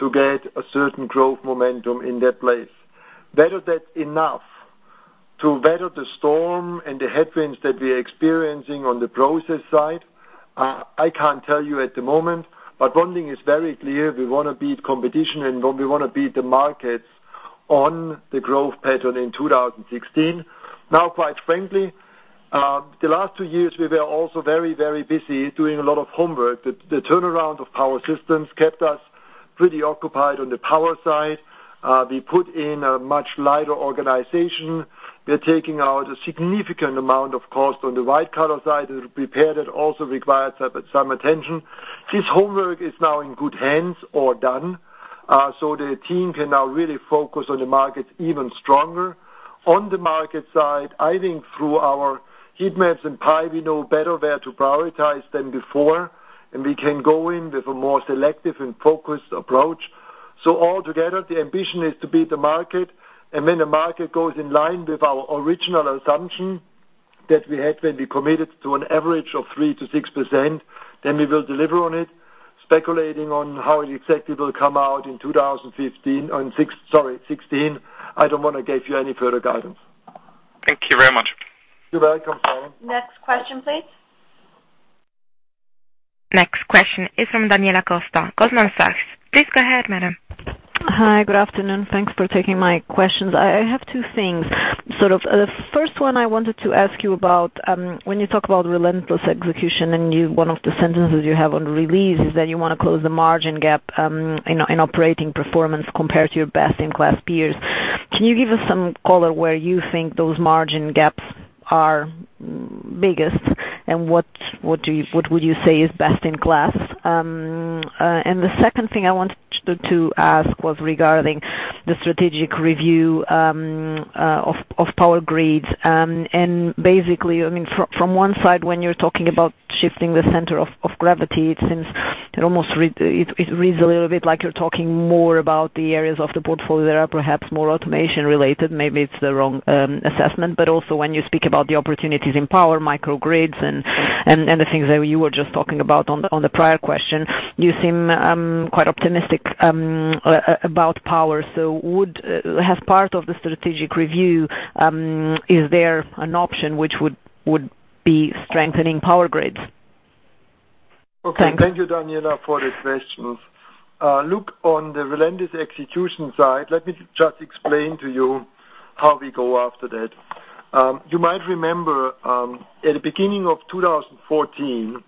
to get a certain growth momentum in that place. Whether that's enough to weather the storm and the headwinds that we're experiencing on the process side, I can't tell you at the moment, but one thing is very clear, we want to beat competition and we want to beat the markets on the growth pattern in 2016. Quite frankly, the last two years we were also very busy doing a lot of homework. The turnaround of Power Systems kept us pretty occupied on the power side. We put in a much lighter organization. We're taking out a significant amount of cost on the white collar side. We prepared. It also requires some attention. This homework is now in good hands or done. The team can now really focus on the market even stronger. On the market side, I think through our heat maps and PIE, we know better where to prioritize than before, and we can go in with a more selective and focused approach. All together, the ambition is to beat the market, and when the market goes in line with our original assumption that we had when we committed to an average of 3%-6%, we will deliver on it. Speculating on how exactly it will come out in 2016, I don't want to give you any further guidance. Thank you very much. You're welcome. Next question, please. Next question is from Daniela Costa, Goldman Sachs. Please go ahead, madam. Hi. Good afternoon. Thanks for taking my questions. I have two things, sort of. The first one I wanted to ask you about when you talk about relentless execution and one of the sentences you have on release is that you want to close the margin gap in operating performance compared to your best-in-class peers. Can you give us some color where you think those margin gaps are biggest and what would you say is best in class? The second thing I wanted to ask was regarding the strategic review of Power Grids. Basically, from one side when you're talking about shifting the center of gravity, it reads a little bit like you're talking more about the areas of the portfolio that are perhaps more automation related. Maybe it's the wrong assessment, also when you speak about the opportunities in power microgrids and the things that you were just talking about on the prior question, you seem quite optimistic about power. As part of the strategic review, is there an option which would be strengthening Power Grids? Okay. Thank you, Daniela, for the questions. Look on the relentless execution side. Let me just explain to you how we go after that. You might remember at the beginning of 2014,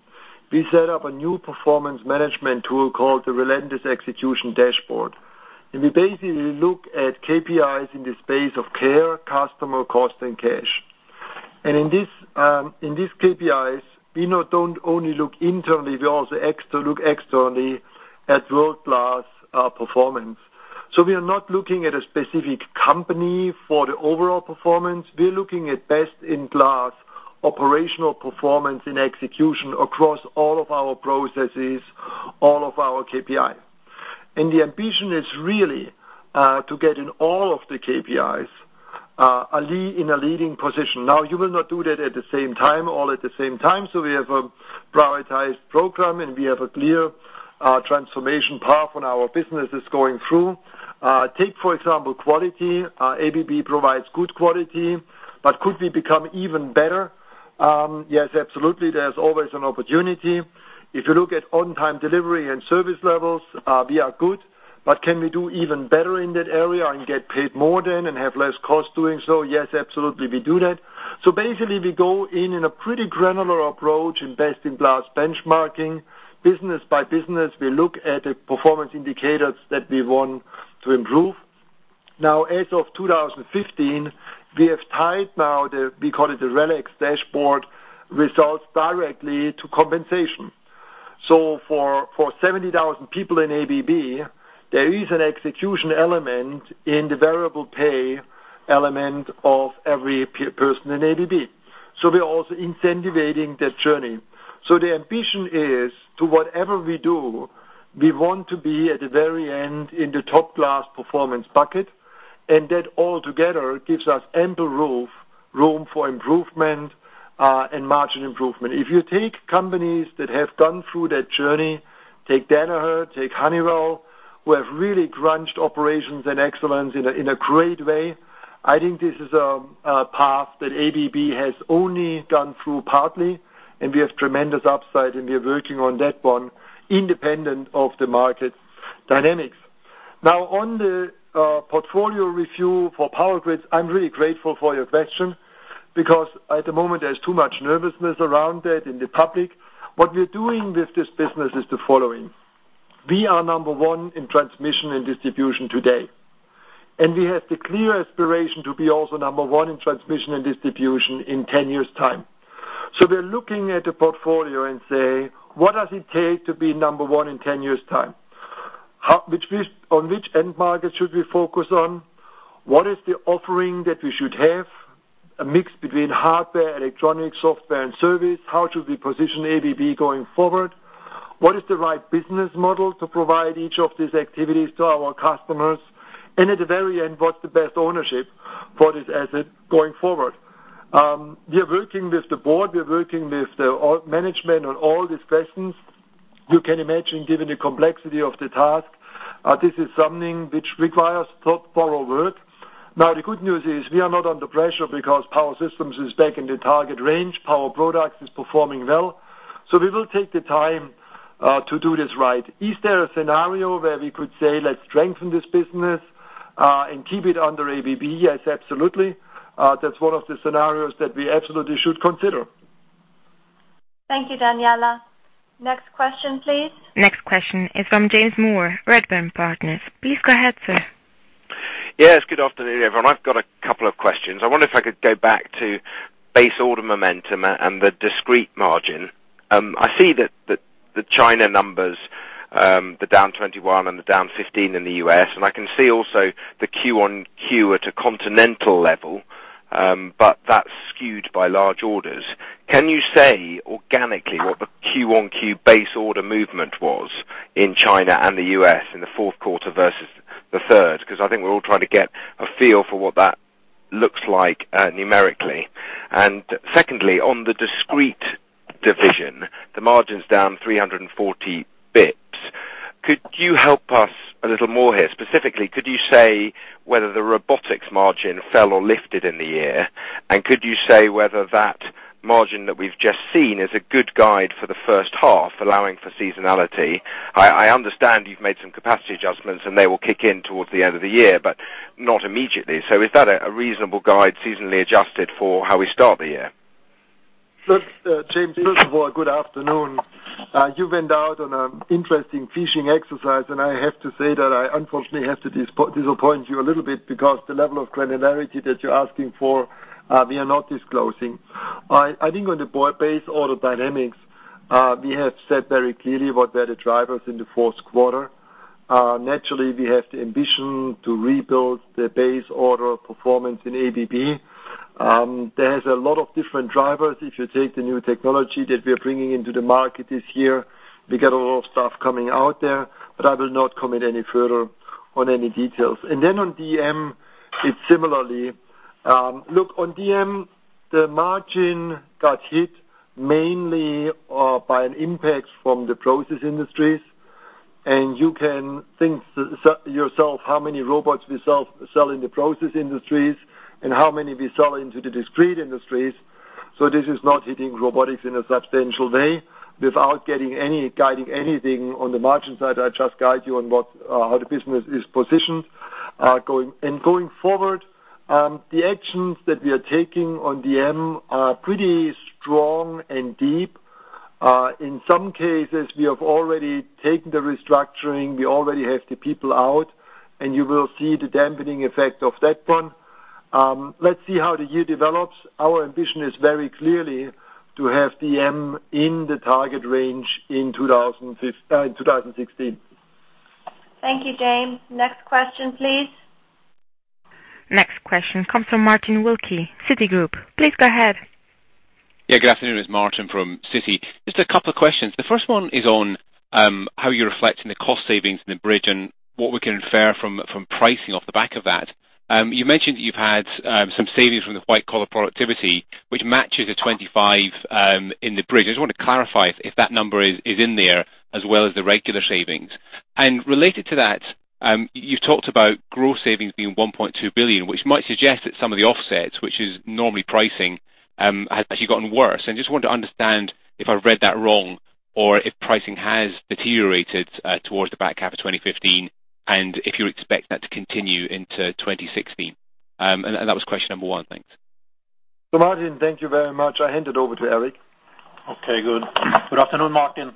we set up a new performance management tool called the Relentless Execution Dashboard. We basically look at KPIs in the space of care, customer, cost, and cash. In these KPIs, we not only look internally, we also look externally at world-class performance. We are not looking at a specific company for the overall performance. We're looking at best-in-class operational performance and execution across all of our processes, all of our KPI. The ambition is really to get in all of the KPIs in a leading position. Now, you will not do that all at the same time. We have a prioritized program, and we have a clear transformation path on our businesses going through. Take for example, quality. ABB provides good quality, but could we become even better? Yes, absolutely. There's always an opportunity. If you look at on-time delivery and service levels, we are good. Can we do even better in that area and get paid more then and have less cost doing so? Yes, absolutely, we do that. Basically we go in in a pretty granular approach in best-in-class benchmarking. Business by business, we look at the performance indicators that we want to improve. Now as of 2015, we have tied now the, we call it the RELX dashboard, results directly to compensation. For 70,000 people in ABB, there is an execution element in the variable pay element of every person in ABB. We're also incentivizing that journey. The ambition is to whatever we do, we want to be at the very end in the top class performance bucket. That all together gives us ample room for improvement and margin improvement. If you take companies that have gone through that journey, take Danaher, take Honeywell, who have really crunched operations and excellence in a great way. I think this is a path that ABB has only gone through partly. We have tremendous upside. We are working on that one independent of the market dynamics. On the portfolio review for Power Grids, I'm really grateful for your question because at the moment there's too much nervousness around it in the public. What we're doing with this business is the following. We are number one in transmission and distribution today. We have the clear aspiration to be also number one in transmission and distribution in 10 years' time. We're looking at the portfolio and say, what does it take to be number one in 10 years' time? On which end market should we focus on? What is the offering that we should have? A mix between hardware, electronics, software, and service. How should we position ABB going forward? What is the right business model to provide each of these activities to our customers? At the very end, what's the best ownership for this asset going forward? We are working with the board, we're working with the management on all these questions. You can imagine, given the complexity of the task, this is something which requires thorough work. The good news is we are not under pressure because Power Systems is back in the target range. Power Products is performing well. We will take the time to do this right. Is there a scenario where we could say, let's strengthen this business, Keep it under ABB? Yes, absolutely. That's one of the scenarios that we absolutely should consider. Thank you, Daniela. Next question, please. Next question is from James Moore, Redburn Partners. Please go ahead, sir. Yes, good afternoon, everyone. I've got a couple of questions. I wonder if I could go back to base order momentum and the discrete margin. I see the China numbers, the down 21% and the down 15% in the U.S., and I can see also the Q on Q at a continental level. That's skewed by large orders. Can you say organically what the Q on Q base order movement was in China and the U.S. in the fourth quarter versus the third? Because I think we're all trying to get a feel for what that looks like numerically. Secondly, on the discrete division, the margin's down 340 basis points. Could you help us a little more here? Specifically, could you say whether the robotics margin fell or lifted in the year? Could you say whether that margin that we've just seen is a good guide for the first half, allowing for seasonality? I understand you've made some capacity adjustments, they will kick in towards the end of the year, not immediately. Is that a reasonable guide, seasonally adjusted for how we start the year? Look, James Moore, good afternoon. You went out on an interesting fishing exercise, I have to say that I unfortunately have to disappoint you a little bit, the level of granularity that you're asking for, we are not disclosing. I think on the base order dynamics, we have said very clearly what were the drivers in the fourth quarter. Naturally, we have the ambition to rebuild the base order performance in ABB. There is a lot of different drivers. If you take the new technology that we are bringing into the market this year, we get a lot of stuff coming out there. I will not comment any further on any details. Then on DM, it's similarly. Look, on DM, the margin got hit mainly by an impact from the process industries. You can think yourself how many robots we sell in the process industries and how many we sell into the discrete industries. This is not hitting robotics in a substantial way. Without guiding anything on the margin side, I just guide you on how the business is positioned. Going forward, the actions that we are taking on DM are pretty strong and deep. In some cases, we have already taken the restructuring. We already have the people out, and you will see the dampening effect of that one. Let's see how the year develops. Our ambition is very clearly to have DM in the target range in 2016. Thank you, James. Next question please. Next question comes from Martin Wilkie, Citigroup. Please go ahead. Good afternoon. It's Martin from Citi. Just a couple of questions. The first one is on how you're reflecting the cost savings in the bridge and what we can infer from pricing off the back of that. You mentioned that you've had some savings from the white-collar productivity, which matches the 25 in the bridge. I just want to clarify if that number is in there as well as the regular savings. Related to that, you've talked about gross savings being 1.2 billion, which might suggest that some of the offsets, which is normally pricing, has actually gotten worse. Just wanted to understand if I've read that wrong or if pricing has deteriorated towards the back half of 2015, and if you expect that to continue into 2016. That was question number 1. Thanks. Thank you very much, Martin. I hand it over to Eric. Okay, good. Good afternoon, Martin.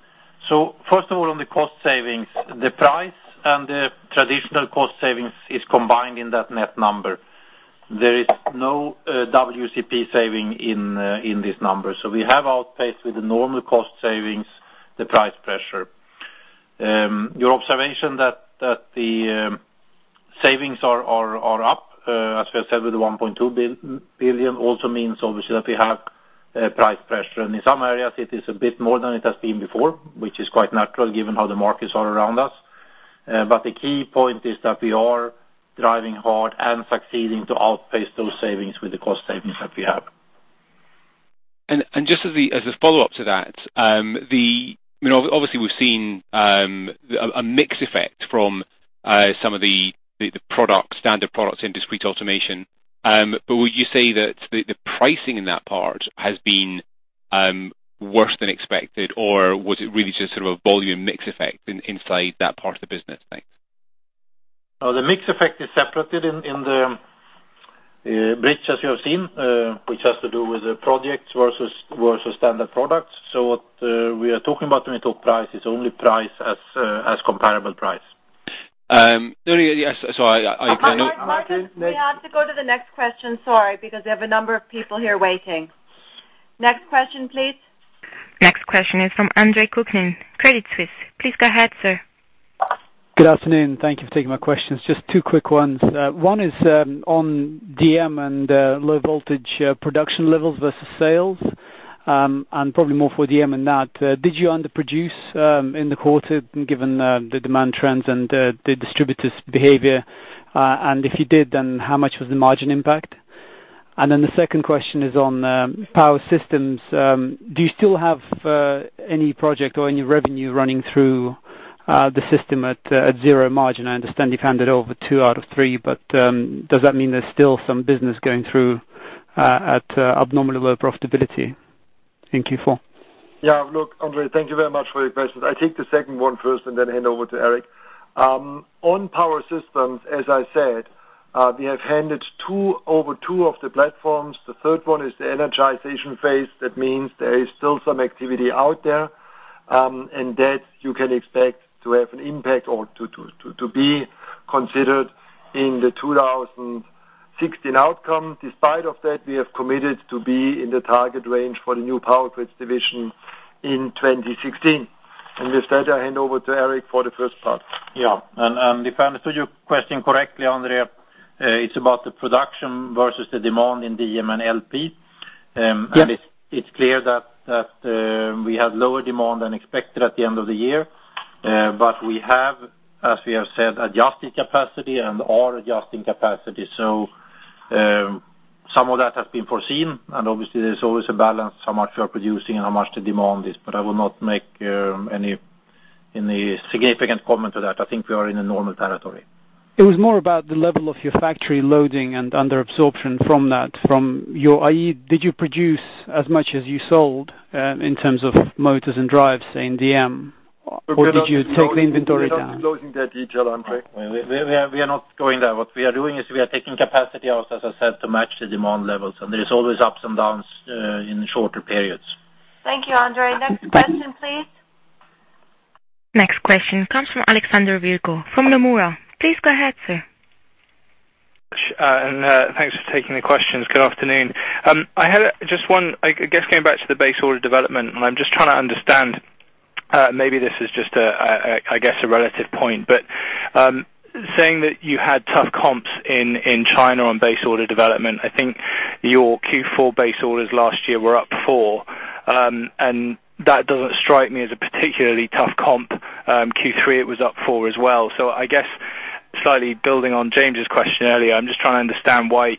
First of all, on the cost savings, the price and the traditional cost savings is combined in that net number. There is no WCP saving in this number. We have outpaced with the normal cost savings, the price pressure. Your observation that the savings are up, as we have said, with the 1.2 billion, also means obviously that we have price pressure. In some areas it is a bit more than it has been before, which is quite natural given how the markets are around us. The key point is that we are driving hard and succeeding to outpace those savings with the cost savings that we have. Just as a follow-up to that, obviously we've seen a mix effect from some of the standard products in discrete automation. Would you say that the pricing in that part has been worse than expected, or was it really just sort of a volume mix effect inside that part of the business? Thanks. The mix effect is separated in the bridge, as you have seen, which has to do with the projects versus standard products. What we are talking about when we talk price is only price as comparable price. Sorry. Martin, we have to go to the next question. Sorry. We have a number of people here waiting. Next question, please. Next question is from Andre Kukhnin, Credit Suisse. Please go ahead, sir. Good afternoon. Thank you for taking my questions. Just two quick ones. One is on DM and low voltage production levels versus sales. Probably more for DM and that, did you underproduce in the quarter, given the demand trends and the distributors' behavior? If you did, then how much was the margin impact? Then the second question is on Power Systems. Do you still have any project or any revenue running through the system at zero margin? I understand you've handed over two out of three, but does that mean there's still some business going through at abnormally low profitability in Q4? Yeah. Look, Andre, thank you very much for your questions. I'll take the second one first and then hand over to Eric. On Power Systems, as I said, we have handed over two of the platforms. The third one is the energization phase. That means there is still some activity out there, and that you can expect to have an impact or to be considered in the 2016 outcome. Despite of that, we have committed to be in the target range for the new Power Grids division in 2016. With that, I hand over to Eric for the first part. Yeah. If I understood your question correctly, Andre, it's about the production versus the demand in DM and LP. Yes. It's clear that we had lower demand than expected at the end of the year. We have, as we have said, adjusted capacity and are adjusting capacity. Some of that has been foreseen, and obviously there's always a balance, how much we are producing and how much the demand is. I will not make any significant comment to that. I think we are in a normal territory. It was more about the level of your factory loading and under absorption from that. Did you produce as much as you sold in terms of motors and drives in DM? Did you take the inventory down? We're not closing that detail, Andre. We are not going there. What we are doing is we are taking capacity out, as I said, to match the demand levels. There is always ups and downs in shorter periods. Thank you, Andre. Next question, please. Next question comes from Alexander Virgo from Nomura. Please go ahead, sir. Thanks for taking the questions. Good afternoon. I had just one, I guess, going back to the base order development. I'm just trying to understand, maybe this is just, I guess, a relative point. Saying that you had tough comps in China on base order development, I think your Q4 base orders last year were up four. That doesn't strike me as a particularly tough comp. Q3, it was up four as well. I guess slightly building on James's question earlier, I'm just trying to understand why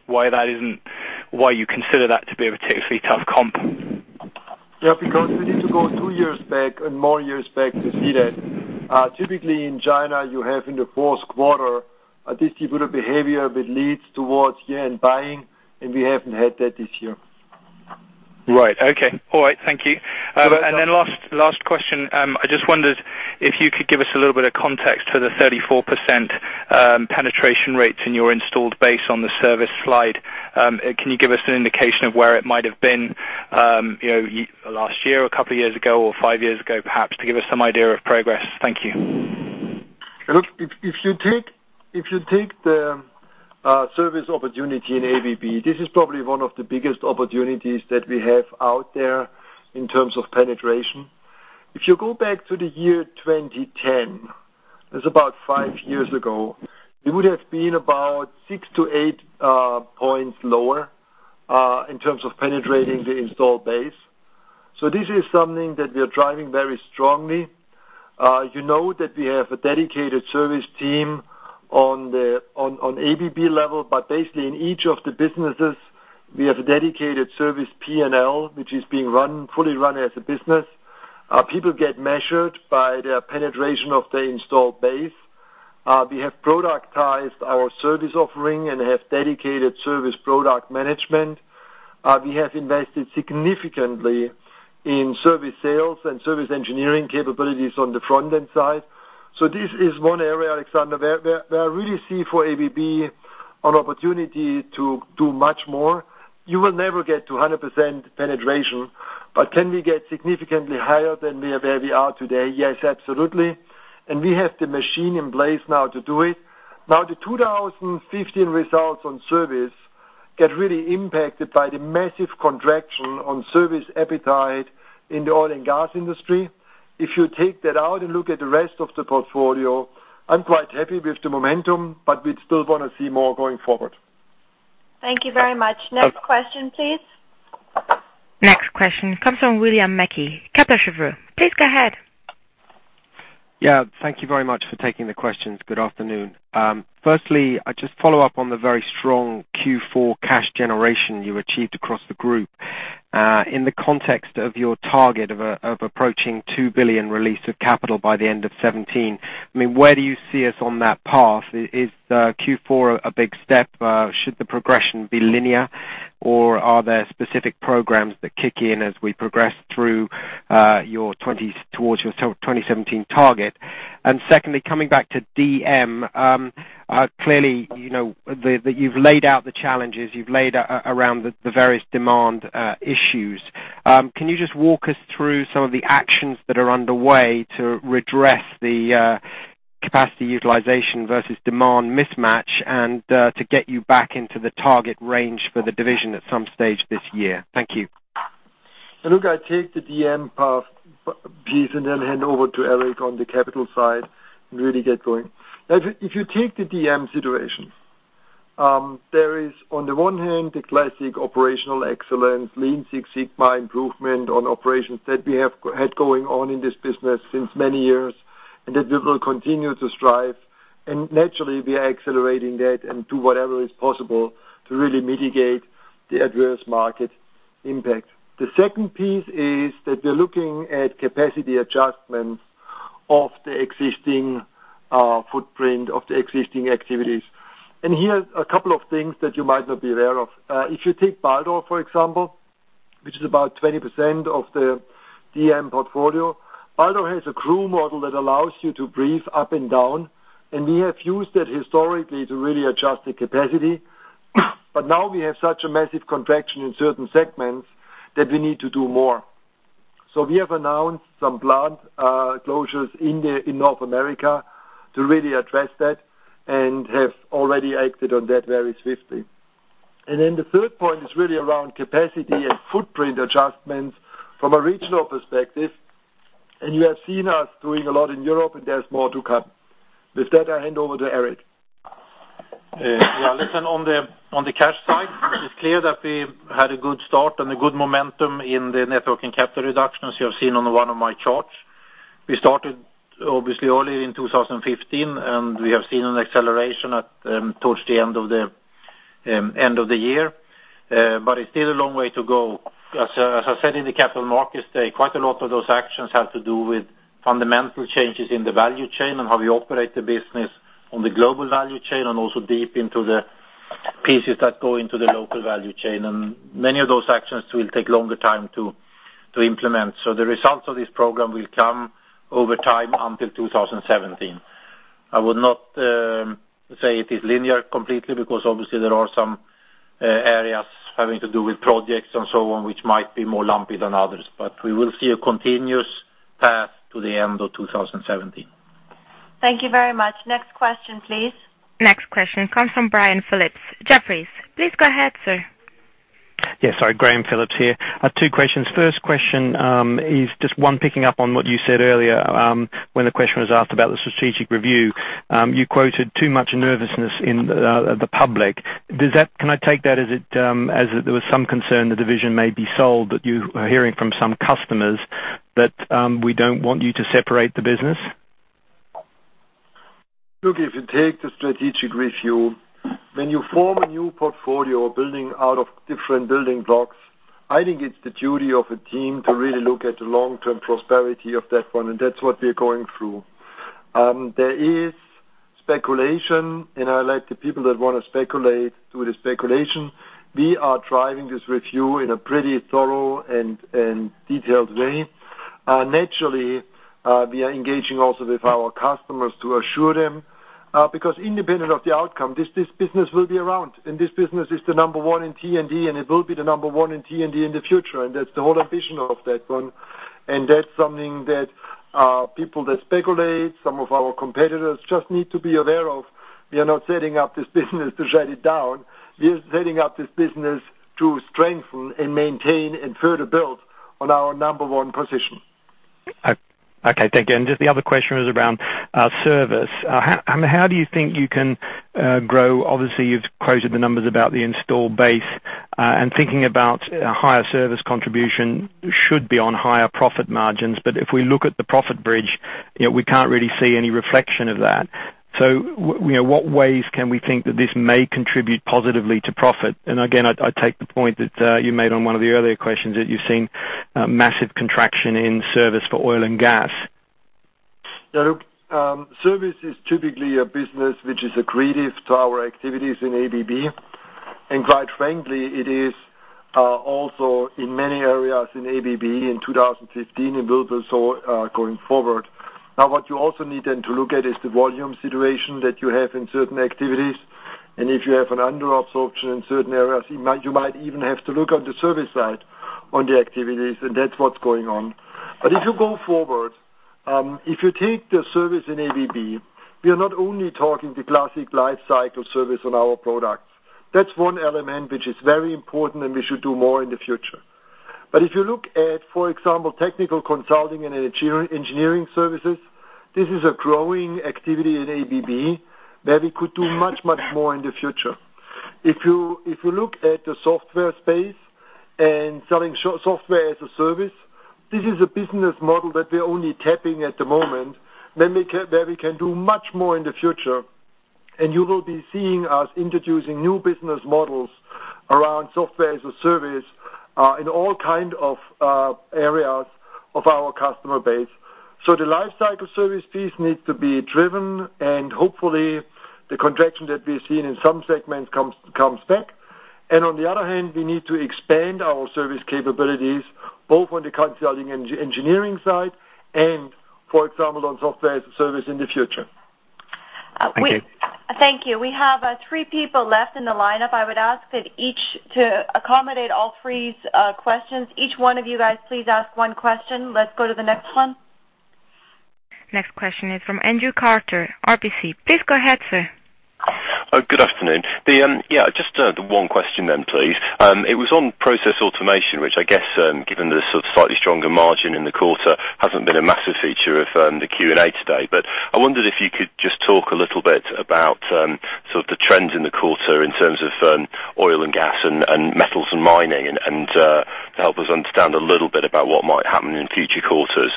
you consider that to be a particularly tough comp. Yeah, because we need to go two years back and more years back to see that. Typically, in China, you have in the fourth quarter a distributor behavior that leads towards year-end buying, and we haven't had that this year. Right. Okay. All right. Thank you. Last question, I just wondered if you could give us a little bit of context for the 34% penetration rates in your installed base on the service slide. Can you give us an indication of where it might have been last year or a couple of years ago or five years ago, perhaps, to give us some idea of progress? Thank you. Look, if you take the service opportunity in ABB, this is probably one of the biggest opportunities that we have out there in terms of penetration. If you go back to the year 2010, that's about five years ago, we would have been about six to eight points lower in terms of penetrating the installed base. This is something that we are driving very strongly. You know that we have a dedicated service team on ABB level, but basically in each of the businesses, we have a dedicated service P&L, which is being fully run as a business. People get measured by their penetration of the installed base. We have productized our service offering and have dedicated service product management. We have invested significantly in service sales and service engineering capabilities on the front-end side. This is one area, Alexander, where I really see for ABB an opportunity to do much more. You will never get to 100% penetration, but can we get significantly higher than where we are today? Yes, absolutely. We have the machine in place now to do it. Now, the 2015 results on service get really impacted by the massive contraction on service appetite in the oil and gas industry. If you take that out and look at the rest of the portfolio, I'm quite happy with the momentum, we'd still want to see more going forward. Thank you very much. Next question, please. Next question comes from William Mackie, Kepler Cheuvreux. Please go ahead. Thank you very much for taking the questions. Good afternoon. Firstly, I just follow up on the very strong Q4 cash generation you achieved across the group. In the context of your target of approaching 2 billion release of capital by the end of 2017, where do you see us on that path? Is Q4 a big step? Should the progression be linear, or are there specific programs that kick in as we progress towards your 2017 target? Secondly, coming back to DM, clearly, you've laid out the challenges. You've laid around the various demand issues. Can you just walk us through some of the actions that are underway to redress the capacity utilization versus demand mismatch and to get you back into the target range for the division at some stage this year? Thank you. I take the DM piece. Then hand over to Eric on the capital side and really get going. If you take the DM situation, there is, on the one hand, the classic operational excellence, Lean Six Sigma improvement on operations that we have had going on in this business since many years, that we will continue to strive. Naturally, we are accelerating that and do whatever is possible to really mitigate the adverse market impact. The second piece is that we're looking at capacity adjustments of the existing footprint of the existing activities. Here, a couple of things that you might not be aware of. If you take Baldor, for example, which is about 20% of the DM portfolio. Baldor has a crew model that allows you to breathe up and down, and we have used that historically to really adjust the capacity. Now we have such a massive contraction in certain segments that we need to do more. We have announced some plant closures in North America to really address that, and have already acted on that very swiftly. The third point is really around capacity and footprint adjustments from a regional perspective. You have seen us doing a lot in Europe, and there is more to come. With that, I hand over to Eric. Listen, on the cash side, it is clear that we had a good start and a good momentum in the net working capital reduction, as you have seen on one of my charts. We started obviously early in 2015, and we have seen an acceleration towards the end of the year. It is still a long way to go. As I said in the Capital Markets Day, quite a lot of those actions have to do with fundamental changes in the value chain and how we operate the business on the global value chain and also deep into the pieces that go into the local value chain. Many of those actions will take longer time to implement. The results of this program will come over time until 2017. I would not say it is linear completely because obviously there are some areas having to do with projects and so on, which might be more lumpy than others. We will see a continuous path to the end of 2017. Thank you very much. Next question, please. Next question comes from Graham Phillips, Jefferies. Please go ahead, sir. Yes. Sorry, Graham Phillips here. I have two questions. First question is just one, picking up on what you said earlier when the question was asked about the strategic review. You quoted too much nervousness in the public. Can I take that as there was some concern the division may be sold, that you are hearing from some customers that we don't want you to separate the business? Look, if you take the strategic review, when you form a new portfolio or building out of different building blocks, I think it's the duty of a team to really look at the long-term prosperity of that one, and that's what we're going through. There is speculation, and I let the people that want to speculate do the speculation. We are driving this review in a pretty thorough and detailed way. Naturally, we are engaging also with our customers to assure them. Because independent of the outcome, this business will be around, and this business is the number one in T&D, and it will be the number one in T&D in the future. That's the whole ambition of that one. That's something that people that speculate, some of our competitors just need to be aware of. We are not setting up this business to shut it down. We are setting up this business to strengthen and maintain and further build on our number one position. Okay, thank you. Just the other question was around service. How do you think you can grow? Obviously, you've quoted the numbers about the install base. Thinking about higher service contribution should be on higher profit margins. If we look at the profit bridge, we can't really see any reflection of that. What ways can we think that this may contribute positively to profit? Again, I take the point that you made on one of the earlier questions that you've seen massive contraction in service for oil and gas. Yeah, look. Service is typically a business which is accretive to our activities in ABB. Quite frankly, it is also in many areas in ABB in 2015, it will be so going forward. What you also need to look at is the volume situation that you have in certain activities. If you have an under absorption in certain areas, you might even have to look on the service side on the activities, and that's what's going on. If you go forward, if you take the service in ABB, we are not only talking the classic life cycle service on our products. That's one element which is very important, and we should do more in the future. If you look at, for example, technical consulting and engineering services, this is a growing activity in ABB where we could do much more in the future. If you look at the software space and selling software as a service, this is a business model that we're only tapping at the moment, where we can do much more in the future. You will be seeing us introducing new business models around software as a service in all kind of areas of our customer base. The life cycle service piece needs to be driven, and hopefully the contraction that we're seeing in some segments comes back. On the other hand, we need to expand our service capabilities both on the consulting engineering side and, for example, on software as a service in the future. Thank you. Thank you. We have three people left in the lineup. I would ask that to accommodate all three's questions, each one of you guys please ask one question. Let's go to the next one. Next question is from Andrew Carter, RBC. Please go ahead, sir. Oh, good afternoon. Yeah, just the one question then, please. It was on Process Automation, which I guess, given the slightly stronger margin in the quarter, hasn't been a massive feature of the Q&A today. I wondered if you could just talk a little bit about the trends in the quarter in terms of oil and gas and metals and mining, to help us understand a little bit about what might happen in future quarters.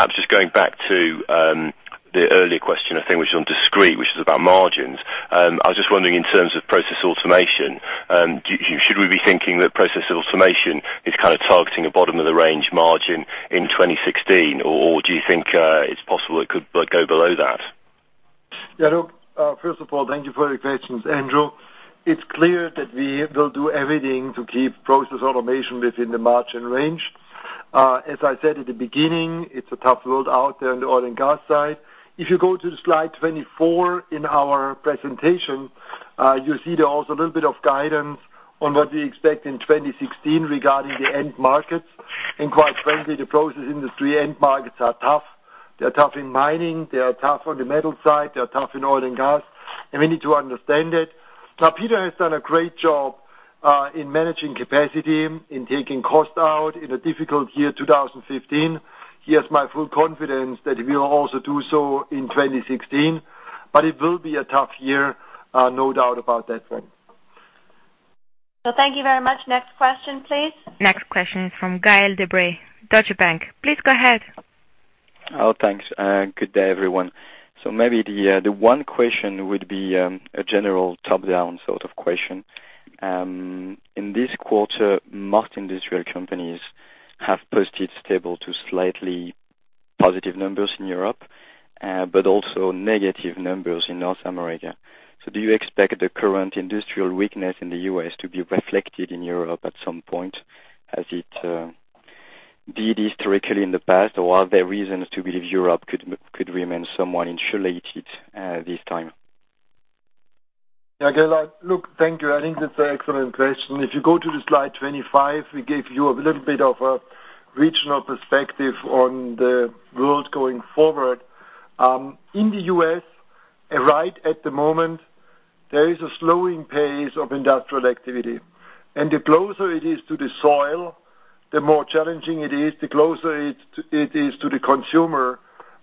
Perhaps just going back to the earlier question, I think, which is on discrete, which is about margins. I was just wondering, in terms of Process Automation, should we be thinking that Process Automation is targeting a bottom of the range margin in 2016? Do you think it's possible it could go below that? Look, first of all, thank you for the questions, Andrew. It's clear that we will do everything to keep Process Automation within the margin range. As I said at the beginning, it's a tough world out there on the oil and gas side. If you go to slide 24 in our presentation, you see there also a little bit of guidance on what we expect in 2016 regarding the end markets. Quite frankly, the process industry end markets are tough. They are tough in mining, they are tough on the metal side, they are tough in oil and gas, and we need to understand it. Peter has done a great job in managing capacity, in taking cost out in a difficult year, 2015. He has my full confidence that he will also do so in 2016. It will be a tough year, no doubt about that one. Thank you very much. Next question, please. Next question is from Gael de-Bray, Deutsche Bank. Please go ahead. Oh, thanks. Good day, everyone. Maybe the one question would be a general top-down sort of question. In this quarter, most industrial companies have posted stable to slightly positive numbers in Europe, but also negative numbers in North America. Do you expect the current industrial weakness in the U.S. to be reflected in Europe at some point as it did historically in the past? Are there reasons to believe Europe could remain somewhat insulated this time? Yeah, Gael. Look, thank you. I think that's an excellent question. If you go to the slide 25, we gave you a little bit of a regional perspective on the world going forward. In the U.S., right at the moment, there is a slowing pace of industrial activity. The closer it is to the soil, the more challenging it is, the closer it is to the consumer,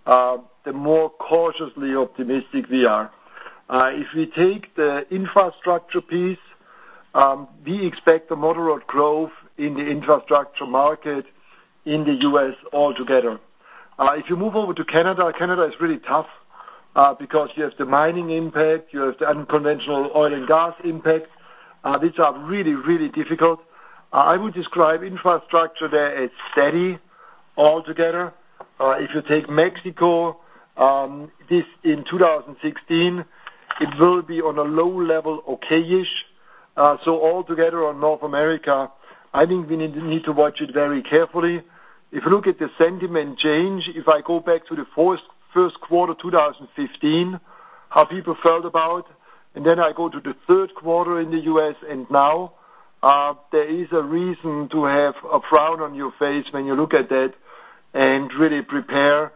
the more cautiously optimistic we are. If we take the infrastructure piece, we expect a moderate growth in the infrastructure market in the U.S. altogether. If you move over to Canada is really tough because you have the mining impact, you have the unconventional oil and gas impact. These are really, really difficult. I would describe infrastructure there as steady altogether. If you take Mexico, this in 2016, it will be on a low level, okay-ish. Altogether on North America, I think we need to watch it very carefully. If you look at the sentiment change, if I go back to the first quarter 2015, how people felt about, then I go to the third quarter in the U.S. and now, there is a reason to have a frown on your face when you look at that and really prepare for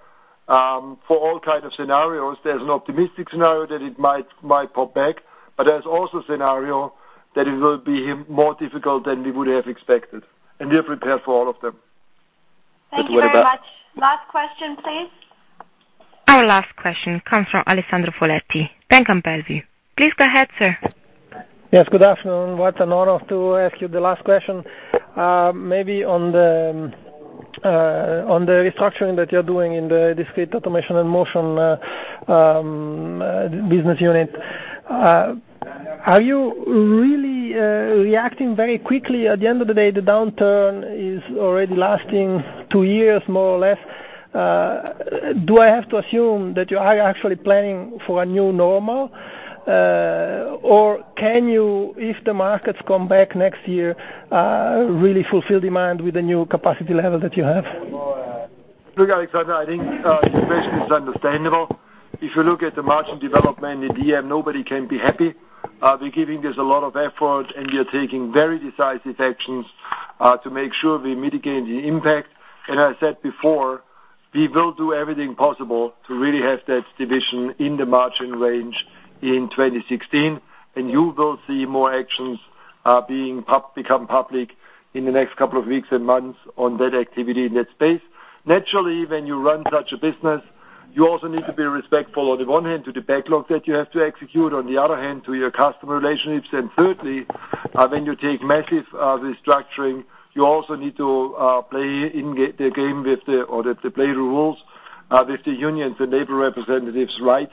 all kind of scenarios. There's an optimistic scenario that it might pop back, there's also scenario that it will be more difficult than we would have expected, and we are prepared for all of them. Thank you very much. Last question, please. Our last question comes from Alessandro Folletti, Bank Vontobel. Please go ahead, sir. Yes, good afternoon. What an honor to ask you the last question. Maybe on the restructuring that you're doing in the Robotics & Discrete Automation business unit. Are you really reacting very quickly? At the end of the day, the downturn is already lasting 2 years, more or less. Do I have to assume that you are actually planning for a new normal? Can you, if the markets come back next year, really fulfill demand with the new capacity level that you have? Look, Alessandro, I think your question is understandable. If you look at the margin development in DM, nobody can be happy. We're giving this a lot of effort. We are taking very decisive actions to make sure we mitigate the impact. I said before, we will do everything possible to really have that division in the margin range in 2016. You will see more actions become public in the next couple of weeks and months on that activity in that space. Naturally, when you run such a business, you also need to be respectful on the one hand, to the backlog that you have to execute, on the other hand, to your customer relationships. Thirdly, when you take massive restructuring, you also need to play the game or play the rules with the unions and labor representatives, right?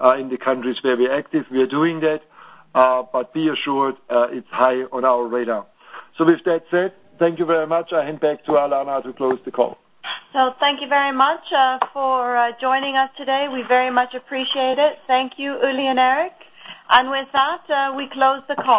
In the countries where we're active, we are doing that. Be assured, it's high on our radar. With that said, thank you very much. I hand back to Alena to close the call. Thank you very much for joining us today. We very much appreciate it. Thank you, Uli and Eric. With that, we close the call.